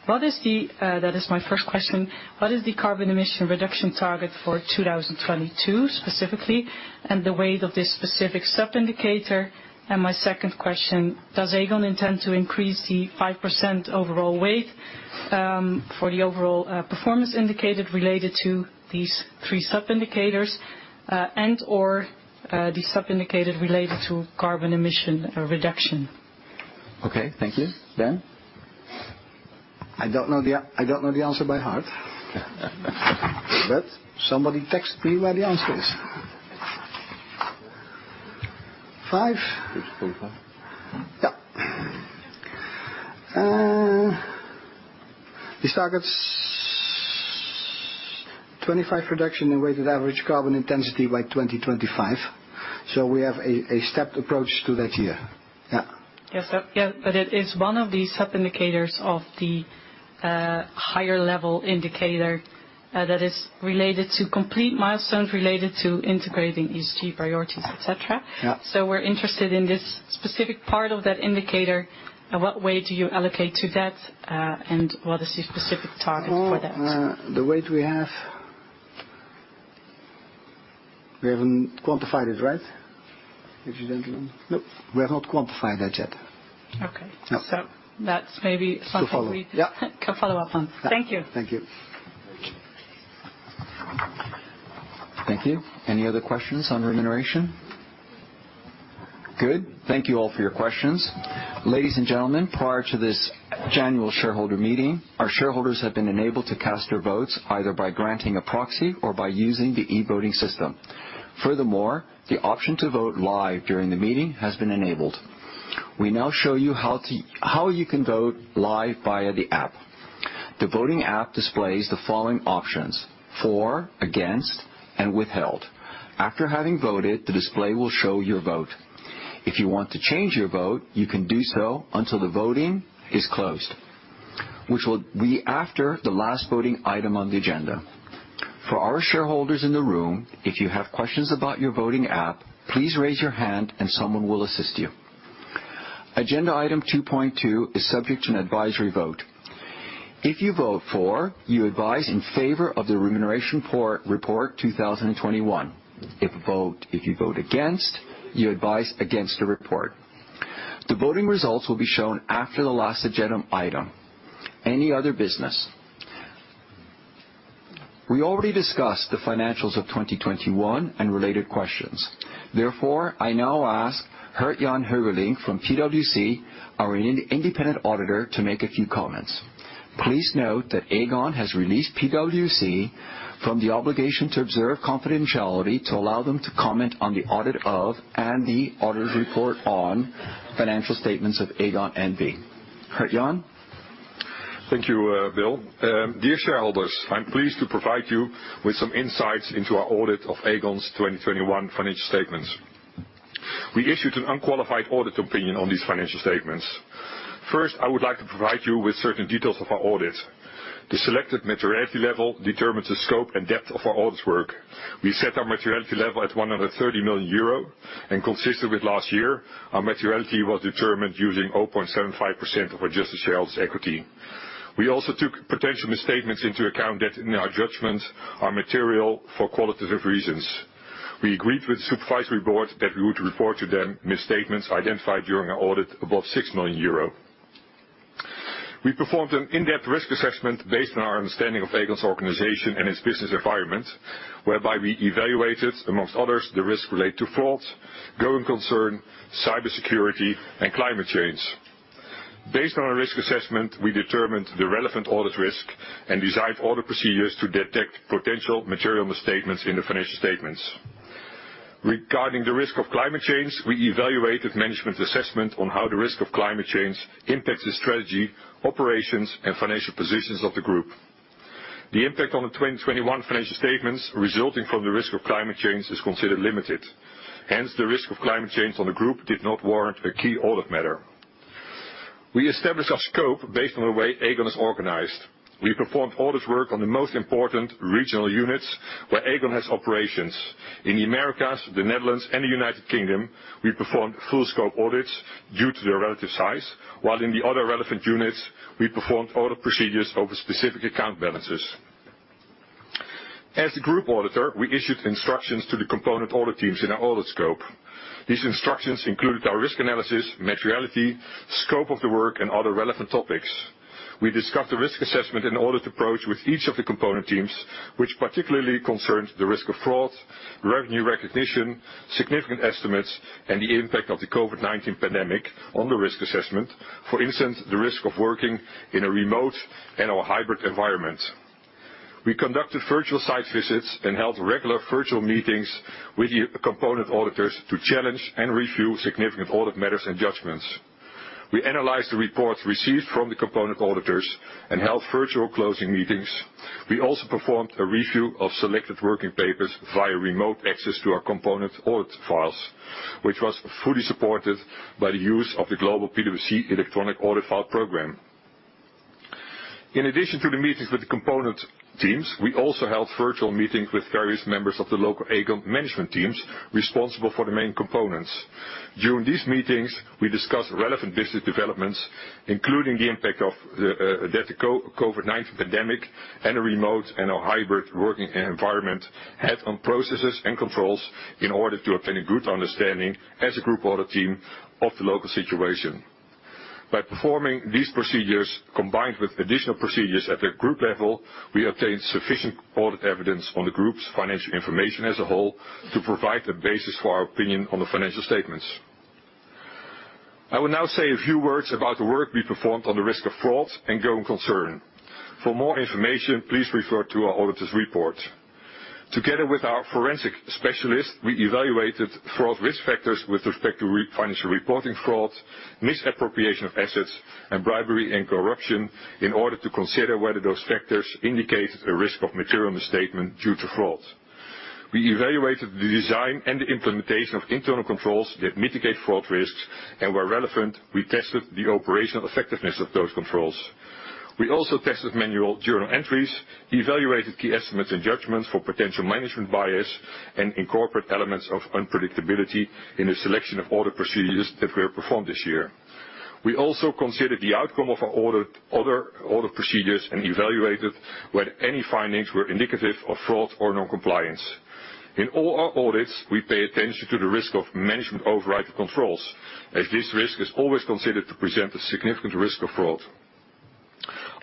That is my first question. What is the carbon emission reduction target for 2022, specifically, and the weight of this specific sub-indicator? My second question, does Aegon intend to increase the 5% overall weight for the overall performance indicator related to these three sub-indicators, and/or the sub-indicator related to carbon emission reduction? Okay, thank you. Ben? I don't know the answer by heart. Somebody text me what the answer is. 5? It's 25. These targets, 25% reduction in weighted average carbon intensity by 2025. We have a stepped approach to that year. Yes. It is one of the sub-indicators of the higher level indicator that is related to complete milestones related to integrating ESG priorities, et cetera. Yeah. We're interested in this specific part of that indicator and what weight do you allocate to that, and what is your specific target for that? Well, the weight we have. We haven't quantified it, right? Ladies and gentlemen? Nope. We have not quantified that yet. Okay. No. That's maybe something we. To follow. Yeah. Can follow up on. Yeah. Thank you. Thank you. Thank you. Any other questions on remuneration? Good. Thank you all for your questions. Ladies and gentlemen, prior to this annual shareholder meeting, our shareholders have been enabled to cast their votes either by granting a proxy or by using the e-voting system. Furthermore, the option to vote live during the meeting has been enabled. We now show you how you can vote live via the app. The voting app displays the following options. For, against, and withheld. After having voted, the display will show your vote. If you want to change your vote, you can do so until the voting is closed, which will be after the last voting item on the agenda. For our shareholders in the room, if you have questions about your voting app, please raise your hand and someone will assist you. Agenda item 2.2 is subject to an advisory vote. If you vote for, you advise in favor of the Remuneration Report 2021. If you vote against, you advise against the report. The voting results will be shown after the last agenda item. Any other business. We already discussed the financials of 2021 and related questions. Therefore, I now ask Gert-Jan Heuvelink from PwC, our Independent Auditor, to make a few comments. Please note that Aegon has released PwC from the obligation to observe confidentiality to allow them to comment on the audit of and the auditor's report on financial statements of Aegon NV. Gert-Jan. Thank you, Will. Dear shareholders, I'm pleased to provide you with some insights into our audit of Aegon's 2021 financial statements. We issued an unqualified audit opinion on these financial statements. First, I would like to provide you with certain details of our audit. The selected materiality level determines the scope and depth of our audit work. We set our materiality level at 130 million euro, and consistent with last year, our materiality was determined using 0.75% of adjusted shareholders' equity. We also took potential misstatements into account that, in our judgment, are material for qualitative reasons. We agreed with Supervisory Board that we would report to them misstatements identified during our audit above 6 million euro. We performed an in-depth risk assessment based on our understanding of Aegon's organization and its business environment, whereby we evaluated, among others, the risk related to fraud, going concern, cybersecurity, and climate change. Based on our risk assessment, we determined the relevant audit risk and designed audit procedures to detect potential material misstatements in the financial statements. Regarding the risk of climate change, we evaluated management's assessment on how the risk of climate change impacts the strategy, operations, and financial positions of the group. The impact on the 2021 financial statements resulting from the risk of climate change is considered limited. Hence, the risk of climate change on the group did not warrant a key audit matter. We established our scope based on the way Aegon is organized. We performed audit work on the most important regional units where Aegon has operations. In the Americas, the Netherlands, and the United Kingdom, we performed full scope audits due to their relative size, while in the other relevant units, we performed audit procedures over specific account balances. As the group auditor, we issued instructions to the component audit teams in our audit scope. These instructions included our risk analysis, materiality, scope of the work, and other relevant topics. We discussed the risk assessment and audit approach with each of the component teams, which particularly concerned the risk of fraud, revenue recognition, significant estimates, and the impact of the COVID-19 pandemic on the risk assessment. For instance, the risk of working in a remote and/or hybrid environment. We conducted virtual site visits and held regular virtual meetings with the component auditors to challenge and review significant audit matters and judgments. We analyzed the reports received from the component auditors and held virtual closing meetings. We also performed a review of selected working papers via remote access to our component audit files, which was fully supported by the use of the global PwC electronic audit file program. In addition to the meetings with the component teams, we also held virtual meetings with various members of the local Aegon management teams responsible for the main components. During these meetings, we discussed relevant business developments, including the impact of the COVID-19 pandemic and a remote and/or hybrid working environment had on processes and controls in order to obtain a good understanding as a group audit team of the local situation. By performing these procedures combined with additional procedures at the group level, we obtained sufficient audit evidence on the group's financial information as a whole to provide a basis for our opinion on the financial statements. I will now say a few words about the work we performed on the risk of fraud and going concern. For more information, please refer to our auditor's report. Together with our forensic specialists, we evaluated fraud risk factors with respect to financial reporting fraud, misappropriation of assets, and bribery and corruption in order to consider whether those factors indicated a risk of material misstatement due to fraud. We evaluated the design and the implementation of internal controls that mitigate fraud risks, and where relevant, we tested the operational effectiveness of those controls. We also tested manual journal entries, evaluated key estimates and judgments for potential management bias, and incorporated elements of unpredictability in the selection of audit procedures that were performed this year. We also considered the outcome of our audit, other audit procedures, and evaluated whether any findings were indicative of fraud or noncompliance. In all our audits, we pay attention to the risk of management override controls, as this risk is always considered to present a significant risk of fraud.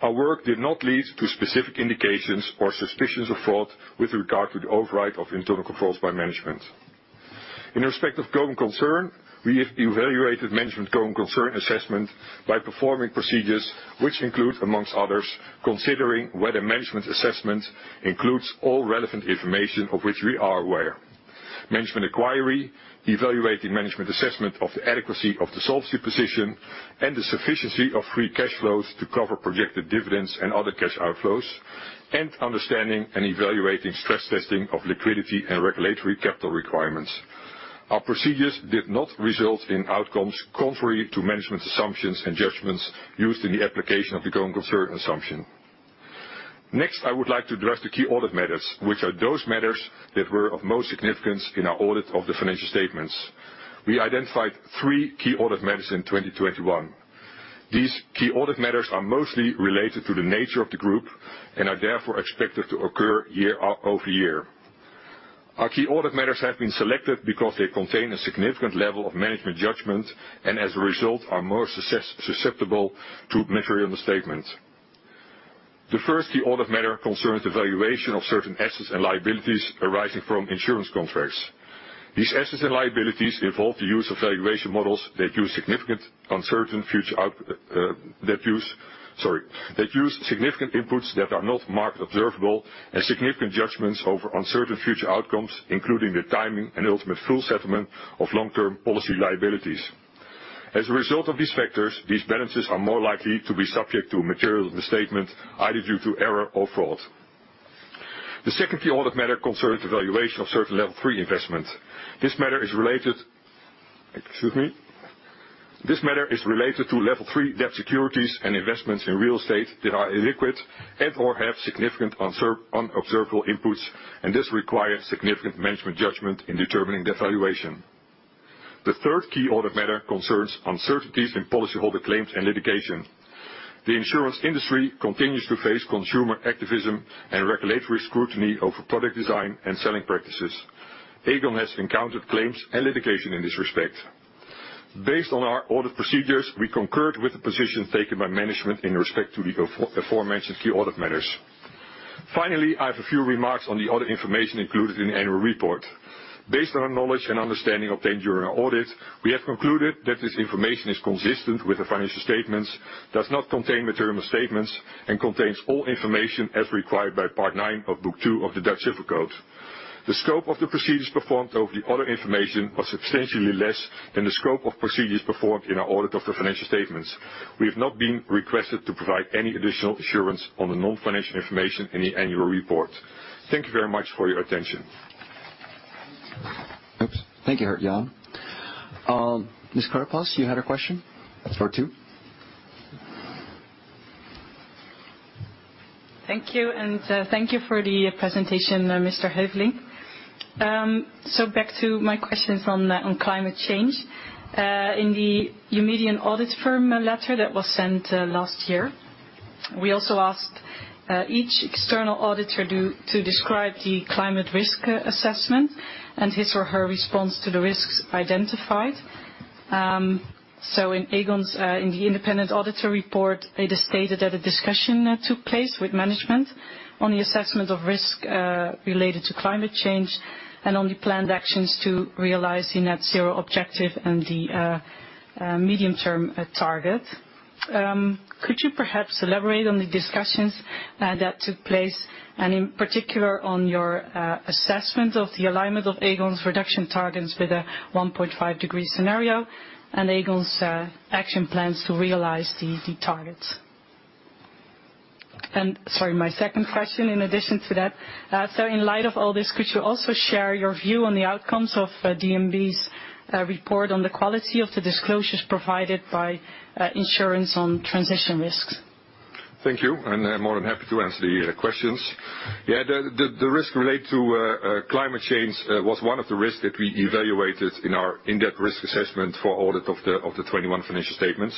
Our work did not lead to specific indications or suspicions of fraud with regard to the override of internal controls by management. In respect of going concern, we have evaluated management going concern assessment by performing procedures which include, among others, considering whether management assessment includes all relevant information of which we are aware, management inquiry, evaluating management assessment of the adequacy of the solvency position, and the sufficiency of free cash flows to cover projected dividends and other cash outflows, and understanding and evaluating stress testing of liquidity and regulatory capital requirements. Our procedures did not result in outcomes contrary to management assumptions and judgments used in the application of the going concern assumption. Next, I would like to address the key audit matters, which are those matters that were of most significance in our audit of the financial statements. We identified three key audit matters in 2021. These key audit matters are mostly related to the nature of the group and are therefore expected to occur year over year. Our key audit matters have been selected because they contain a significant level of management judgment, and as a result are more susceptible to material misstatement. The first key audit matter concerns the valuation of certain assets and liabilities arising from insurance contracts. These assets and liabilities involve the use of valuation models that use significant inputs that are not market observable and significant judgments over uncertain future outcomes, including the timing and ultimate full settlement of long-term policy liabilities. As a result of these factors, these balances are more likely to be subject to a material misstatement, either due to error or fraud. The second key audit matter concerns the valuation of certain level three investments. This matter is related to level three debt securities and investments in real estate that are illiquid and/or have significant unobservable inputs, and this requires significant management judgment in determining the valuation. The third key audit matter concerns uncertainties in policyholder claims and litigation. The insurance industry continues to face consumer activism and regulatory scrutiny over product design and selling practices. Aegon has encountered claims and litigation in this respect. Based on our audit procedures, we concurred with the position taken by management in respect to the aforementioned key audit matters. Finally, I have a few remarks on the audit information included in the annual report. Based on our knowledge and understanding obtained during our audit, we have concluded that this information is consistent with the financial statements, does not contain material misstatements, and contains all information as required by Part Nine of Book Two of the Dutch Civil Code. The scope of the procedures performed over the audit information was substantially less than the scope of procedures performed in our audit of the financial statements. We have not been requested to provide any additional assurance on the non-financial information in the annual report. Thank you very much for your attention. Oops. Thank you, Gert-Jan. Miss Kuipers, you had a question? Or two. Thank you, and thank you for the presentation, Mr. Heuvelink. Back to my questions on climate change. In the Eumedion audit firm letter that was sent last year, we also asked each external auditor to describe the climate risk assessment and his or her response to the risks identified. In Aegon's independent auditor report, it is stated that a discussion took place with management on the assessment of risk related to climate change and on the planned actions to realize the net zero objective and the medium-term target. Could you perhaps elaborate on the discussions that took place, and in particular on your assessment of the alignment of Aegon's reduction targets with a 1.5-degree scenario, and Aegon's action plans to realize the targets? Sorry, my second question in addition to that, so in light of all this, could you also share your view on the outcomes of DNB's report on the quality of the disclosures provided by insurers on transition risks? Thank you, I'm more than happy to answer the questions. The risk related to climate change was one of the risks that we evaluated in our in-depth risk assessment for audit of the 2021 financial statements.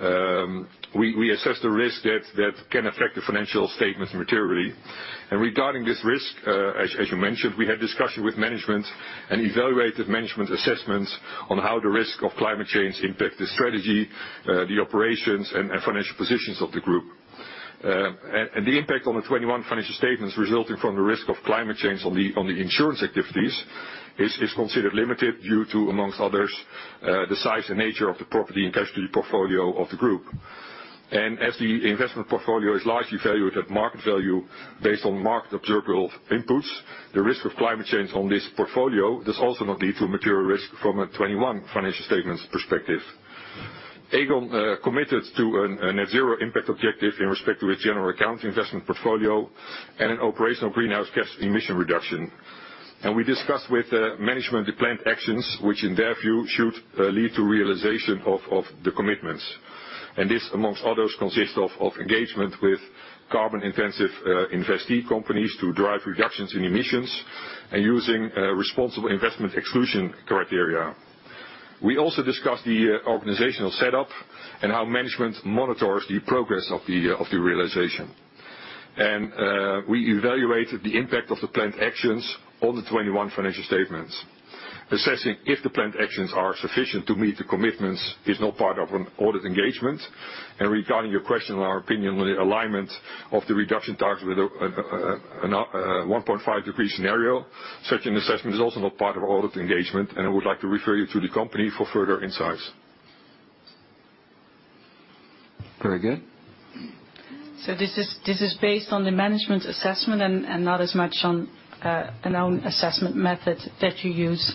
We assessed the risk that can affect the financial statements materially. Regarding this risk, as you mentioned, we had discussion with management and evaluated management assessments on how the risk of climate change impact the strategy, the operations, and financial positions of the group. The impact on the 2021 financial statements resulting from the risk of climate change on the insurance activities is considered limited due to, among others, the size and nature of the property and casualty portfolio of the group. As the investment portfolio is largely valued at market value based on market observable inputs, the risk of climate change on this portfolio does also not lead to material risk from a 2021 financial statements perspective. Aegon committed to a net zero impact objective in respect to its general account investment portfolio and an operational greenhouse gas emission reduction. We discussed with the management the planned actions which in their view should lead to realization of the commitments. This, amongst others, consists of engagement with carbon-intensive investee companies to drive reductions in emissions and using responsible investment exclusion criteria. We also discussed the organizational setup and how management monitors the progress of the realization. We evaluated the impact of the planned actions on the 2021 financial statements. Assessing if the planned actions are sufficient to meet the commitments is not part of an audit engagement. Regarding your question on our opinion on the alignment of the reduction targets with a 1.5-degree scenario, such an assessment is also not part of audit engagement, and I would like to refer you to the company for further insights. Very good. This is based on the management assessment and not as much on an own assessment method that you use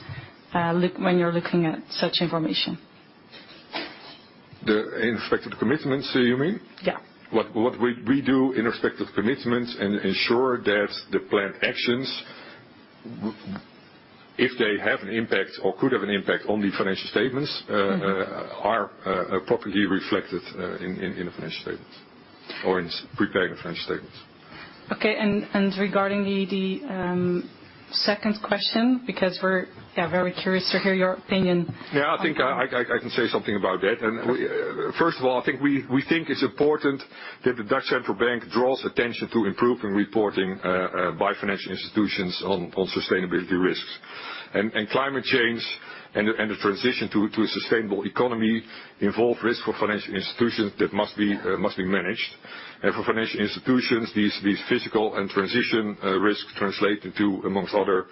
when you're looking at such information. The inspected commitments you mean? Yeah. What we do is inspect commitments and ensure that the planned actions, if they have an impact or could have an impact on the financial statements. Mm-hmm Are properly reflected in the financial statements or in preparing the financial statements. Okay, regarding the second question, because we're, yeah, very curious to hear your opinion. Yeah, I think I can say something about that. We, first of all, I think we think it's important that the Dutch Central Bank draws attention to improve in reporting by financial institutions on sustainability risks. Climate change and the transition to a sustainable economy involve risk for financial institutions that must be managed. For financial institutions, these physical and transition risks translate into, amongst other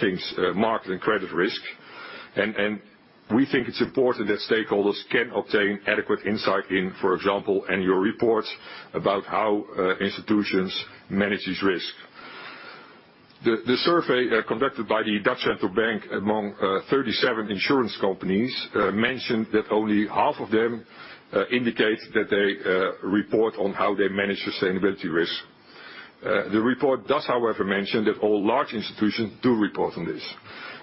things, market and credit risk. We think it's important that stakeholders can obtain adequate insight in, for example, annual reports about how institutions manage these risks. The survey conducted by the Dutch Central Bank among 37 insurance companies mentioned that only half of them indicate that they report on how they manage sustainability risk. The report does, however, mention that all large institutions do report on this.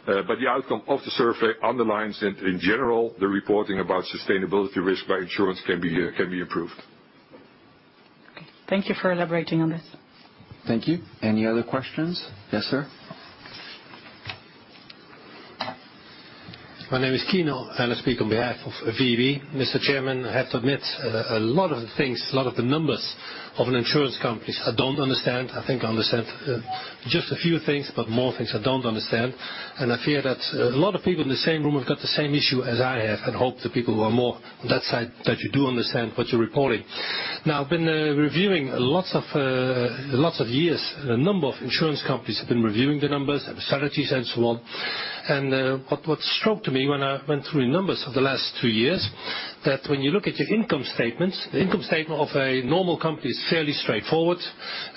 The outcome of the survey underlines that, in general, the reporting about sustainability risk by insurance can be improved. Okay. Thank you for elaborating on this. Thank you. Any other questions? Yes, sir. My name is Keyner, and I speak on behalf of VEB. Mr. Chairman, I have to admit, a lot of the things, a lot of the numbers of an insurance companies I don't understand. I think I understand just a few things, but more things I don't understand. I fear that a lot of people in the same room have got the same issue as I have and hope the people who are more on that side, that you do understand what you're reporting. Now, I've been reviewing lots of years. A number of insurance companies have been reviewing the numbers and strategies and so on. What struck me when I went through your numbers of the last two years, that when you look at your income statements, the income statement of a normal company is fairly straightforward.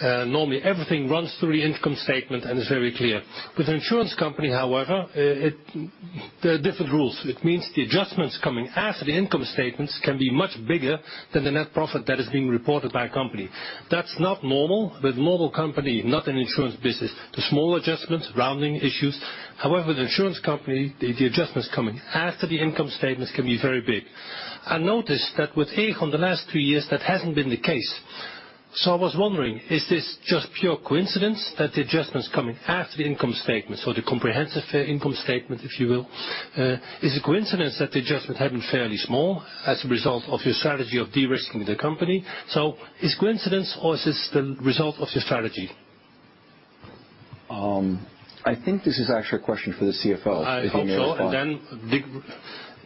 Normally everything runs through the income statement and is very clear. With an insurance company, however, there are different rules. It means the adjustments coming after the income statements can be much bigger than the net profit that is being reported by a company. That's not normal. With normal company, not an insurance business, the small adjustments, rounding issues. However, the insurance company, the adjustments coming after the income statements can be very big. I noticed that with Aegon the last two years, that hasn't been the case. I was wondering, is this just pure coincidence that the adjustments coming after the income statements or the comprehensive income statement, if you will, is a coincidence that the adjustment have been fairly small as a result of your strategy of de-risking the company? Is coincidence or is this the result of your strategy? I think this is actually a question for the CFO. I hope so, and then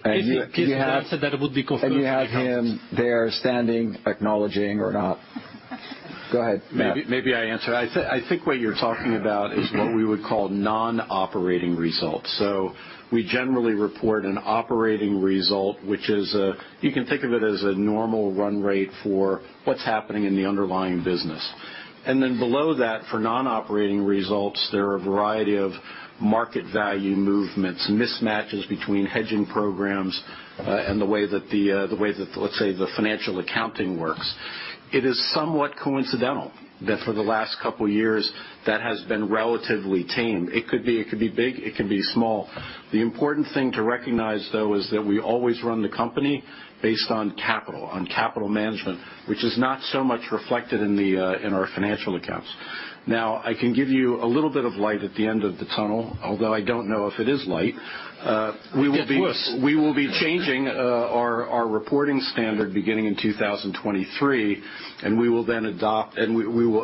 And you have- If he can answer that it would be conclusive. You have him there standing, acknowledging or not. Go ahead. Yeah. Maybe I answer. I think what you're talking about is what we would call non-operating results. We generally report an operating result, which is a normal run rate for what's happening in the underlying business. Below that, for non-operating results, there are a variety of market value movements, mismatches between hedging programs, and the way that, let's say, the financial accounting works. It is somewhat coincidental that for the last couple years, that has been relatively tame. It could be big, it can be small. The important thing to recognize, though, is that we always run the company based on capital, on capital management, which is not so much reflected in our financial accounts. Now, I can give you a little bit of light at the end of the tunnel, although I don't know if it is light. We will be- It can't get worse. WE will be changing our reporting standard beginning in 2023, and we will then adopt and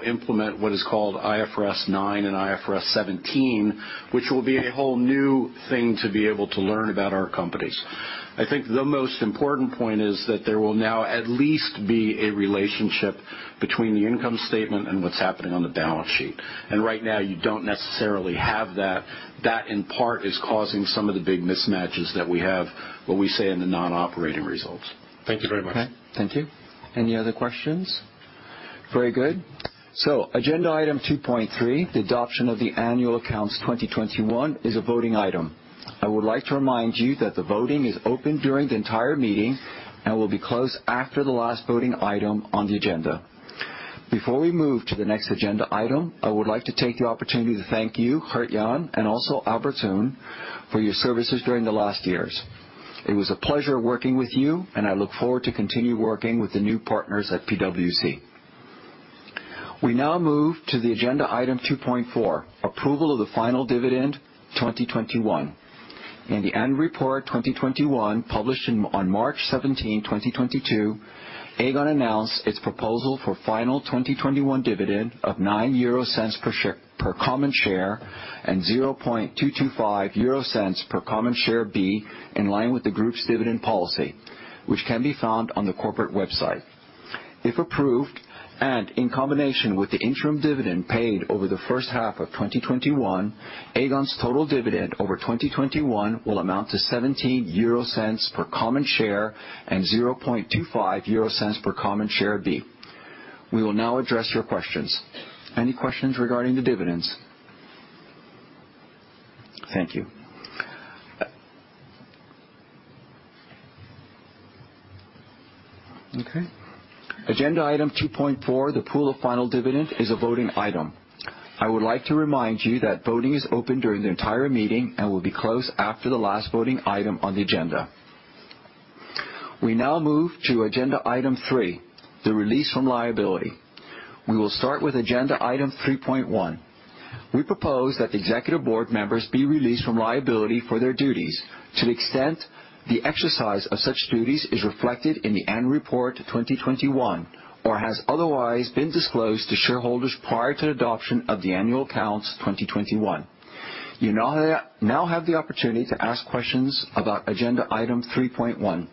implement what is called IFRS 9 and IFRS 17, which will be a whole new thing to be able to learn about our companies. I think the most important point is that there will now at least be a relationship between the income statement and what's happening on the balance sheet. Right now you don't necessarily have that. That, in part, is causing some of the big mismatches that we have, what we see in the non-operating results. Thank you very much. Okay. Thank you. Any other questions? Very good. Agenda item 2.3, the adoption of the annual accounts 2021 is a voting item. I would like to remind you that the voting is open during the entire meeting and will be closed after the last voting item on the agenda. Before we move to the next agenda item, I would like to take the opportunity to thank you, Gert-Jan, and also Albert for your services during the last years. It was a pleasure working with you, and I look forward to continue working with the new partners at PwC. We now move to the agenda item 2.4, approval of the final dividend 2021. In the annual report 2021, published on March 17, 2022, Aegon announced its proposal for final 2021 dividend of 0.09 per common share and 0.0225 per common share B in line with the group's dividend policy, which can be found on the corporate website. If approved, in combination with the interim dividend paid over the first half of 2021, Aegon's total dividend over 2021 will amount to 0.17 per common share and 0.025 per common share B. We will now address your questions. Any questions regarding the dividends? Thank you. Okay. Agenda item 2.4, the approval of the final dividend is a voting item. I would like to remind you that voting is open during the entire meeting and will be closed after the last voting item on the agenda. We now move to agenda item 3, the release from liability. We will start with agenda item 3.1. We propose that the executive board members be released from liability for their duties to the extent the exercise of such duties is reflected in the annual report 2021, or has otherwise been disclosed to shareholders prior to the adoption of the annual accounts 2021. You now have the opportunity to ask questions about agenda item 3.1.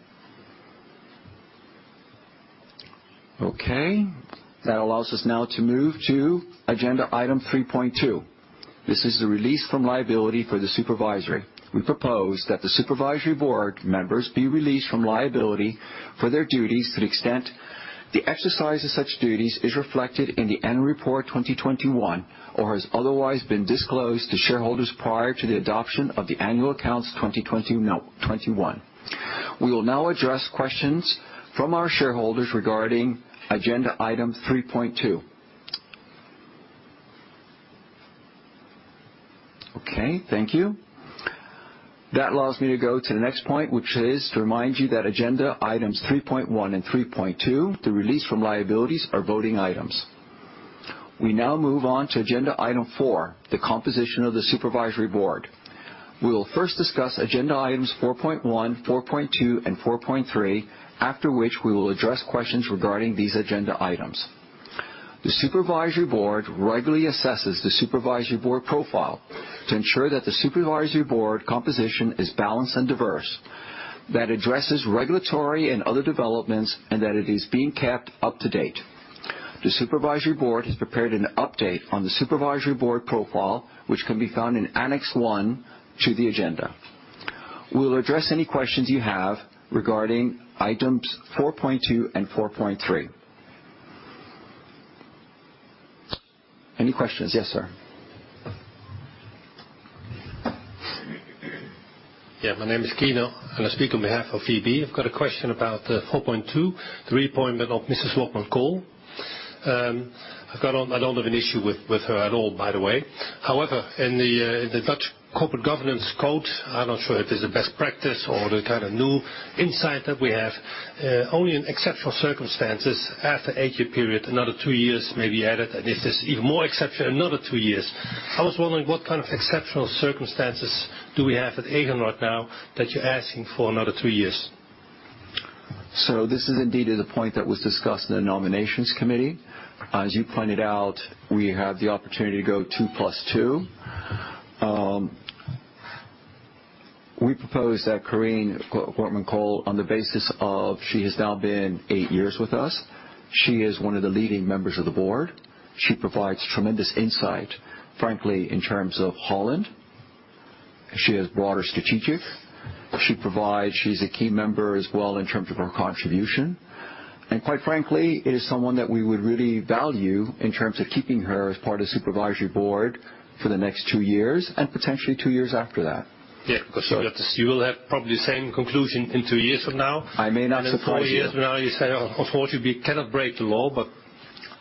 Okay. That allows us now to move to agenda item 3.2. This is the release from liability for the supervisory. We propose that the supervisory board members be released from liability for their duties to the extent the exercise of such duties is reflected in the annual report 2021, or has otherwise been disclosed to shareholders prior to the adoption of the annual accounts 2021. We will now address questions from our shareholders regarding agenda item 3.2. Okay. Thank you. That allows me to go to the next point, which is to remind you that agenda items 3.1 and 3.2, the release from liabilities, are voting items. We now move on to agenda item 4, the composition of the supervisory board. We will first discuss agenda items 4.1, 4.2, and 4.3, after which we will address questions regarding these agenda items. The Supervisory Board regularly assesses the Supervisory Board profile to ensure that the Supervisory Board composition is balanced and diverse, that addresses regulatory and other developments, and that it is being kept up to date. The Supervisory Board has prepared an update on the Supervisory Board profile, which can be found in annex 1 to the agenda. We will address any questions you have regarding items 4.2 and 4.3. Any questions? Yes, sir. Yeah, my name is Keyner, and I speak on behalf of VEB. I've got a question about 4.2, the reappointment of Mrs. Wortmann-Kool. I don't have an issue with her at all, by the way. However, in the Dutch Corporate Governance Code, I'm not sure if this is a best practice or the kind of new insight that we have. Only in exceptional circumstances after 8-year period, another two years may be added, and if there's even more exception, another two years. I was wondering what kind of exceptional circumstances do we have at Aegon right now that you're asking for another two years. This is indeed the point that was discussed in the nominations committee. As you pointed out, we have the opportunity to go two plus two. We propose that Corien Wortmann-Kool on the basis of she has now been eight years with us. She is one of the leading members of the board. She provides tremendous insight, frankly, in terms of Holland. She's a key member as well in terms of her contribution. Quite frankly, is someone that we would really value in terms of keeping her as part of Supervisory Board for the next two years and potentially two years after that. Yeah. 'Cause you will have probably the same conclusion in two years from now. I may not surprise you. In four years from now, you say, "Unfortunately, we cannot break the law, but.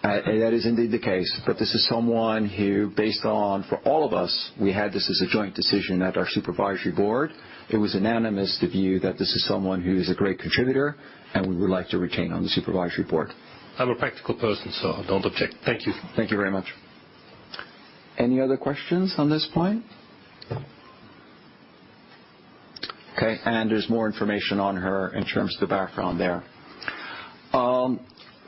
That is indeed the case, but this is someone who, based on, for all of us, we had this as a joint decision at our Supervisory Board. It was unanimous, the view, that this is someone who is a great contributor, and we would like to retain on the Supervisory Board. I'm a practical person, so I don't object. Thank you. Thank you very much. Any other questions on this point? Okay. There's more information on her in terms of the background there.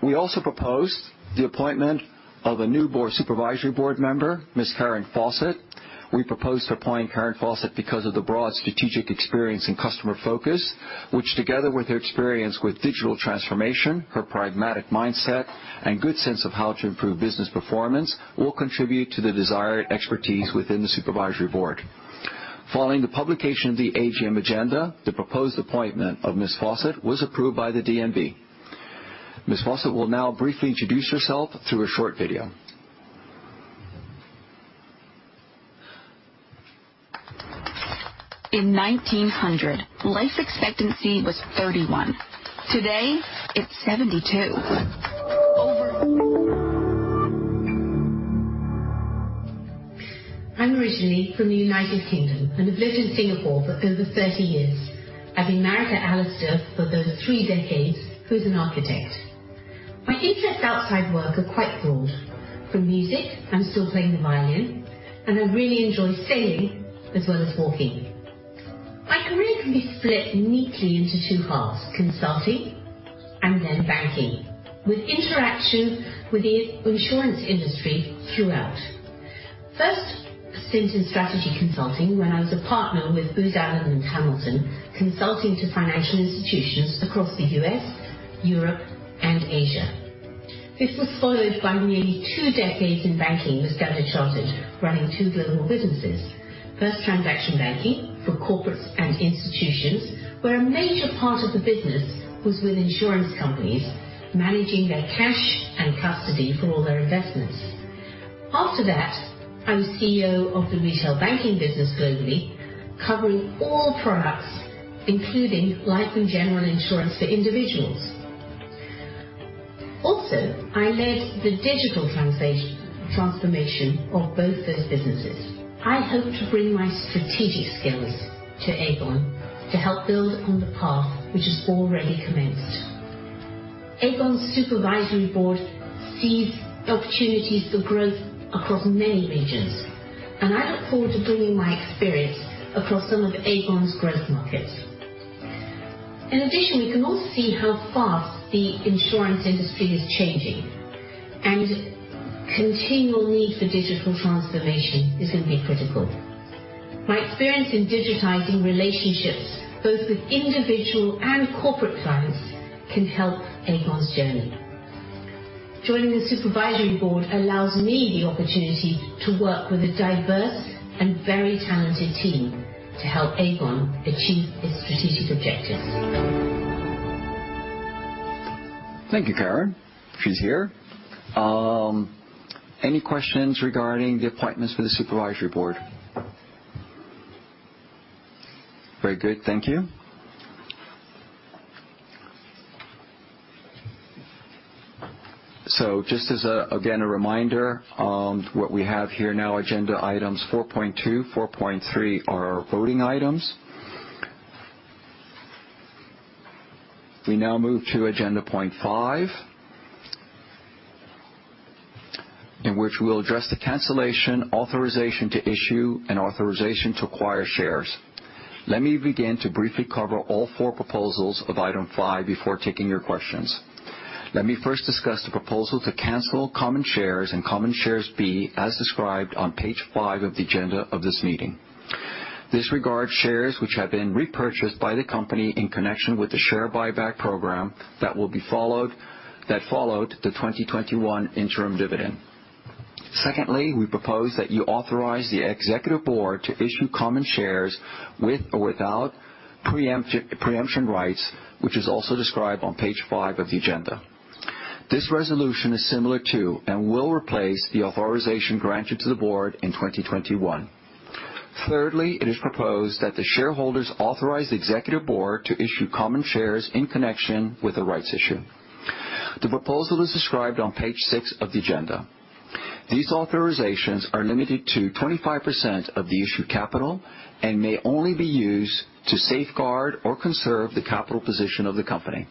We also proposed the appointment of a new Supervisory Board member, Ms. Karen Fawcett. We proposed to appoint Karen Fawcett because of the broad strategic experience and customer focus, which together with her experience with digital transformation, her pragmatic mindset, and good sense of how to improve business performance, will contribute to the desired expertise within the Supervisory Board. Following the publication of the AGM agenda, the proposed appointment of Ms. Fawcett was approved by the DNB. Ms. Fawcett will now briefly introduce herself through a short video. In 1900, life expectancy was 31. Today, it's 72. I'm originally from the United Kingdom and have lived in Singapore for over 30 years. I've been married to Alistair for over 3 decades, who's an architect. My interests outside work are quite broad. From music, I'm still playing the violin, and I really enjoy sailing as well as walking. My career can be split neatly into two halves, consulting and then banking, with interaction with the insurance industry throughout. First stint in strategy consulting when I was a partner with Booz Allen Hamilton, consulting to financial institutions across the U.S., Europe, and Asia. This was followed by nearly two decades in banking with Standard Chartered, running two global businesses. First, transaction banking for corporates and institutions, where a major part of the business was with insurance companies, managing their cash and custody for all their investments. After that, I was CEO of the retail banking business globally, covering all products, including life and general insurance for individuals. Also, I led the digital transformation of both those businesses. I hope to bring my strategic skills to Aegon to help build on the path which has already commenced. Aegon's supervisory board sees opportunities for growth across many regions, and I look forward to bringing my experience across some of Aegon's growth markets. In addition, we can also see how fast the insurance industry is changing, and continual need for digital transformation is going to be critical. My experience in digitizing relationships, both with individual and corporate clients, can help Aegon's journey. Joining the supervisory board allows me the opportunity to work with a diverse and very talented team to help Aegon achieve its strategic objectives. Thank you, Karen. She's here. Any questions regarding the appointments for the Supervisory Board? Very good. Thank you. Just as, again, a reminder, what we have here now, agenda items 4.2, 4.3 are our voting items. We now move to agenda point 5, in which we'll address the cancellation, authorization to issue and authorization to acquire shares. Let me begin to briefly cover all four proposals of item 5 before taking your questions. Let me first discuss the proposal to cancel common shares and common shares B as described on page 5 of the agenda of this meeting. This regards shares which have been repurchased by the company in connection with the share buyback program that followed the 2021 interim dividend. Secondly, we propose that you authorize the executive board to issue common shares with or without preemption rights, which is also described on page five of the agenda. This resolution is similar to and will replace the authorization granted to the board in 2021. Thirdly, it is proposed that the shareholders authorize the executive board to issue common shares in connection with the rights issue. The proposal is described on page six of the agenda. These authorizations are limited to 25% of the issued capital and may only be used to safeguard or conserve the capital position of the company.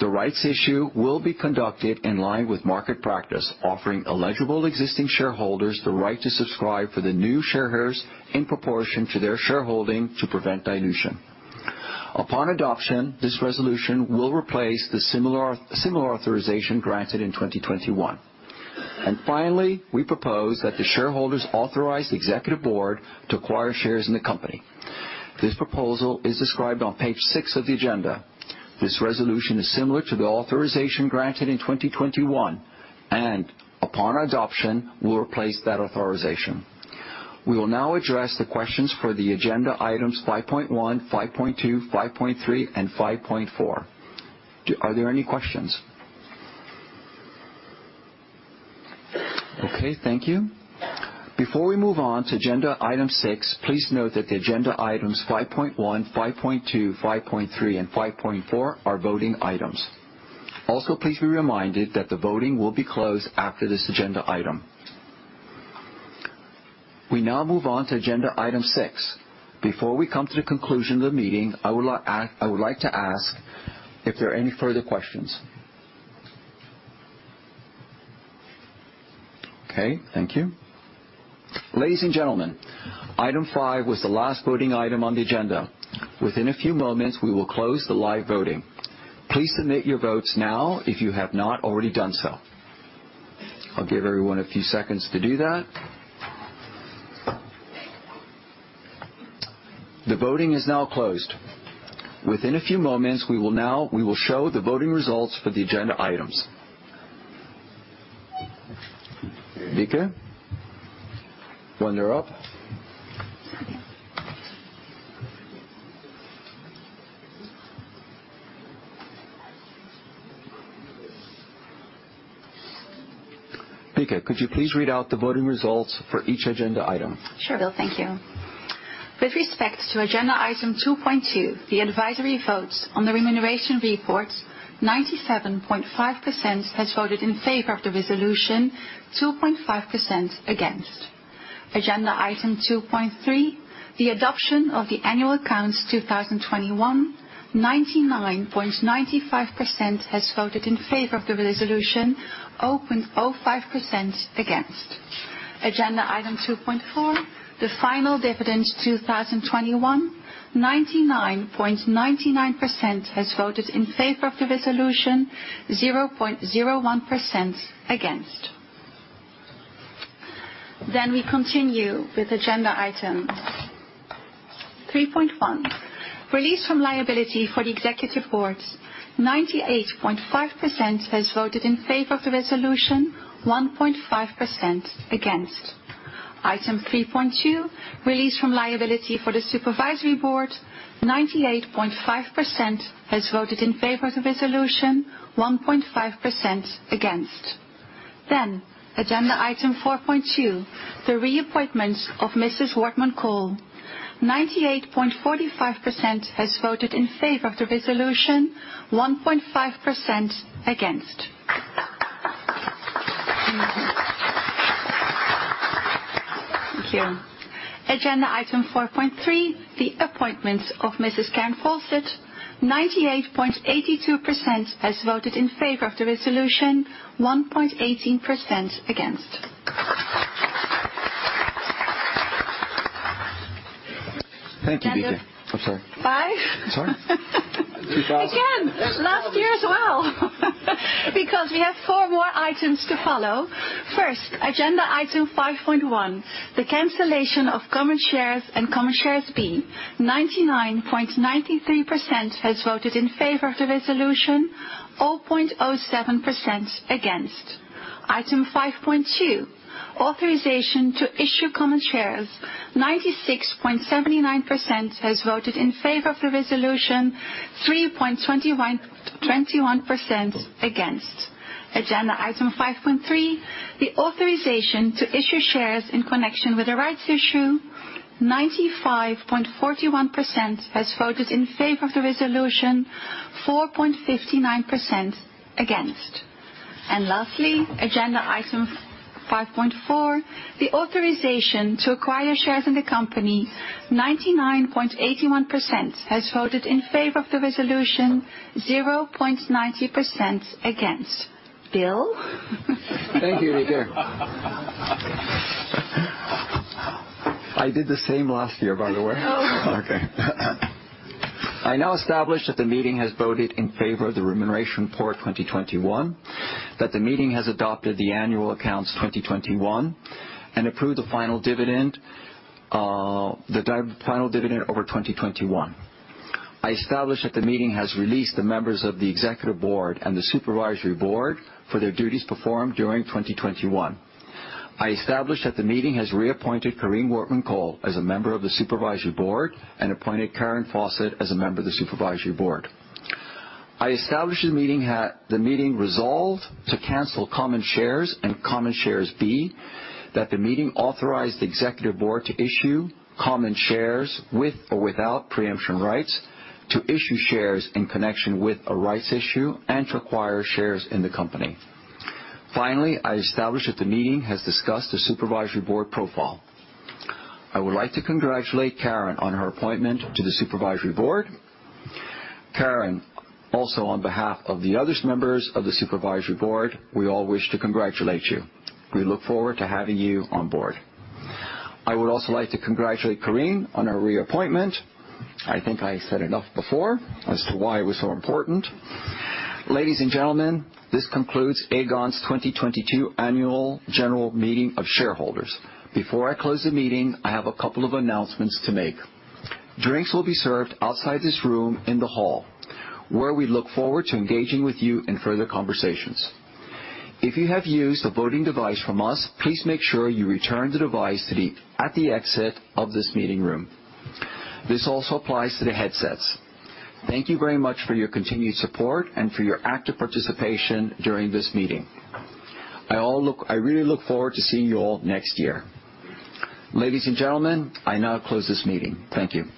The rights issue will be conducted in line with market practice, offering eligible existing shareholders the right to subscribe for the new shares in proportion to their shareholding to prevent dilution. Upon adoption, this resolution will replace the similar authorization granted in 2021. Finally, we propose that the shareholders authorize the executive board to acquire shares in the company. This proposal is described on page six of the agenda. This resolution is similar to the authorization granted in 2021, and upon adoption, will replace that authorization. We will now address the questions for the agenda items 5.1, 5.2, 5.3, and 5.4. Are there any questions? Okay. Thank you. Before we move on to agenda item 6, please note that the agenda items 5.1, 5.2, 5.3, and 5.4 are voting items. Also, please be reminded that the voting will be closed after this agenda item. We now move on to agenda item 6. Before we come to the conclusion of the meeting, I would like to ask if there are any further questions. Okay. Thank you. Ladies and gentlemen, item 5 was the last voting item on the agenda. Within a few moments, we will close the live voting. Please submit your votes now if you have not already done so. I'll give everyone a few seconds to do that. The voting is now closed. Within a few moments, we will show the voting results for the agenda items. Bieke, when they're up. Bieke, could you please read out the voting results for each agenda item? Sure, Will. Thank you. With respect to agenda item 2.2, the advisory votes on the remuneration reports, 97.5% has voted in favor of the resolution, 2.5% against. Agenda item 2.3, the adoption of the annual accounts 2021, 99.95% has voted in favor of the resolution, 0.5% against. Agenda item 2.4, the final dividend 2021, 99.99% has voted in favor of the resolution, 0.01% against. We continue with agenda item 3.1, release from liability for the executive boards, 98.5% has voted in favor of the resolution, 1.5% against. Item 3.2, release from liability for the supervisory board, 98.5% has voted in favor of the resolution, 1.5% against. Agenda item 4.2, the reappointments of Mrs. Wortmann-Kool, 98.45% has voted in favor of the resolution, 1.5% against. Thank you. Agenda item 4.3, the appointments of Mrs. Karen Fawcett, 98.82% has voted in favor of the resolution, 1.18% against. Thank you, Bieke. I'm sorry. Five. Sorry. Again. Last year as well. Because we have four more items to follow. First, agenda item 5.1, the cancellation of common shares and common shares B, 99.93% has voted in favor of the resolution, 4.07% against. Item 5.2, authorization to issue common shares, 96.79% has voted in favor of the resolution, 3.21% against. Agenda item 5.3, the authorization to issue shares in connection with the rights issue, 95.41% has voted in favor of the resolution, 4.59% against. Lastly, agenda item 5.4, the authorization to acquire shares in the company, 99.81% has voted in favor of the resolution, 0.90% against. Will. Thank you, Bieke. I did the same last year, by the way. Oh. Okay. I now establish that the meeting has voted in favor of the remuneration report 2021, that the meeting has adopted the annual accounts 2021, and approved the final dividend, final dividend over 2021. I establish that the meeting has released the members of the executive board and the supervisory board for their duties performed during 2021. I establish that the meeting has reappointed Corien Wortmann-Kool as a member of the supervisory board and appointed Karen Fawcett as a member of the supervisory board. I establish that the meeting resolved to cancel common shares and common shares B. That the meeting authorized the executive board to issue common shares with or without preemption rights. To issue shares in connection with a rights issue, and to acquire shares in the company. Finally, I establish that the meeting has discussed the supervisory board profile. I would like to congratulate Karen on her appointment to the supervisory board. Karen, also on behalf of the other members of the supervisory board, we all wish to congratulate you. We look forward to having you on board. I would also like to congratulate Corien on her reappointment. I think I said enough before as to why it was so important. Ladies and gentlemen, this concludes Aegon's 2022 annual general meeting of shareholders. Before I close the meeting, I have a couple of announcements to make. Drinks will be served outside this room in the hall, where we look forward to engaging with you in further conversations. If you have used a voting device from us, please make sure you return the device to the staff at the exit of this meeting room. This also applies to the headsets. Thank you very much for your continued support and for your active participation during this meeting. I really look forward to seeing you all next year. Ladies and gentlemen, I now close this meeting. Thank you.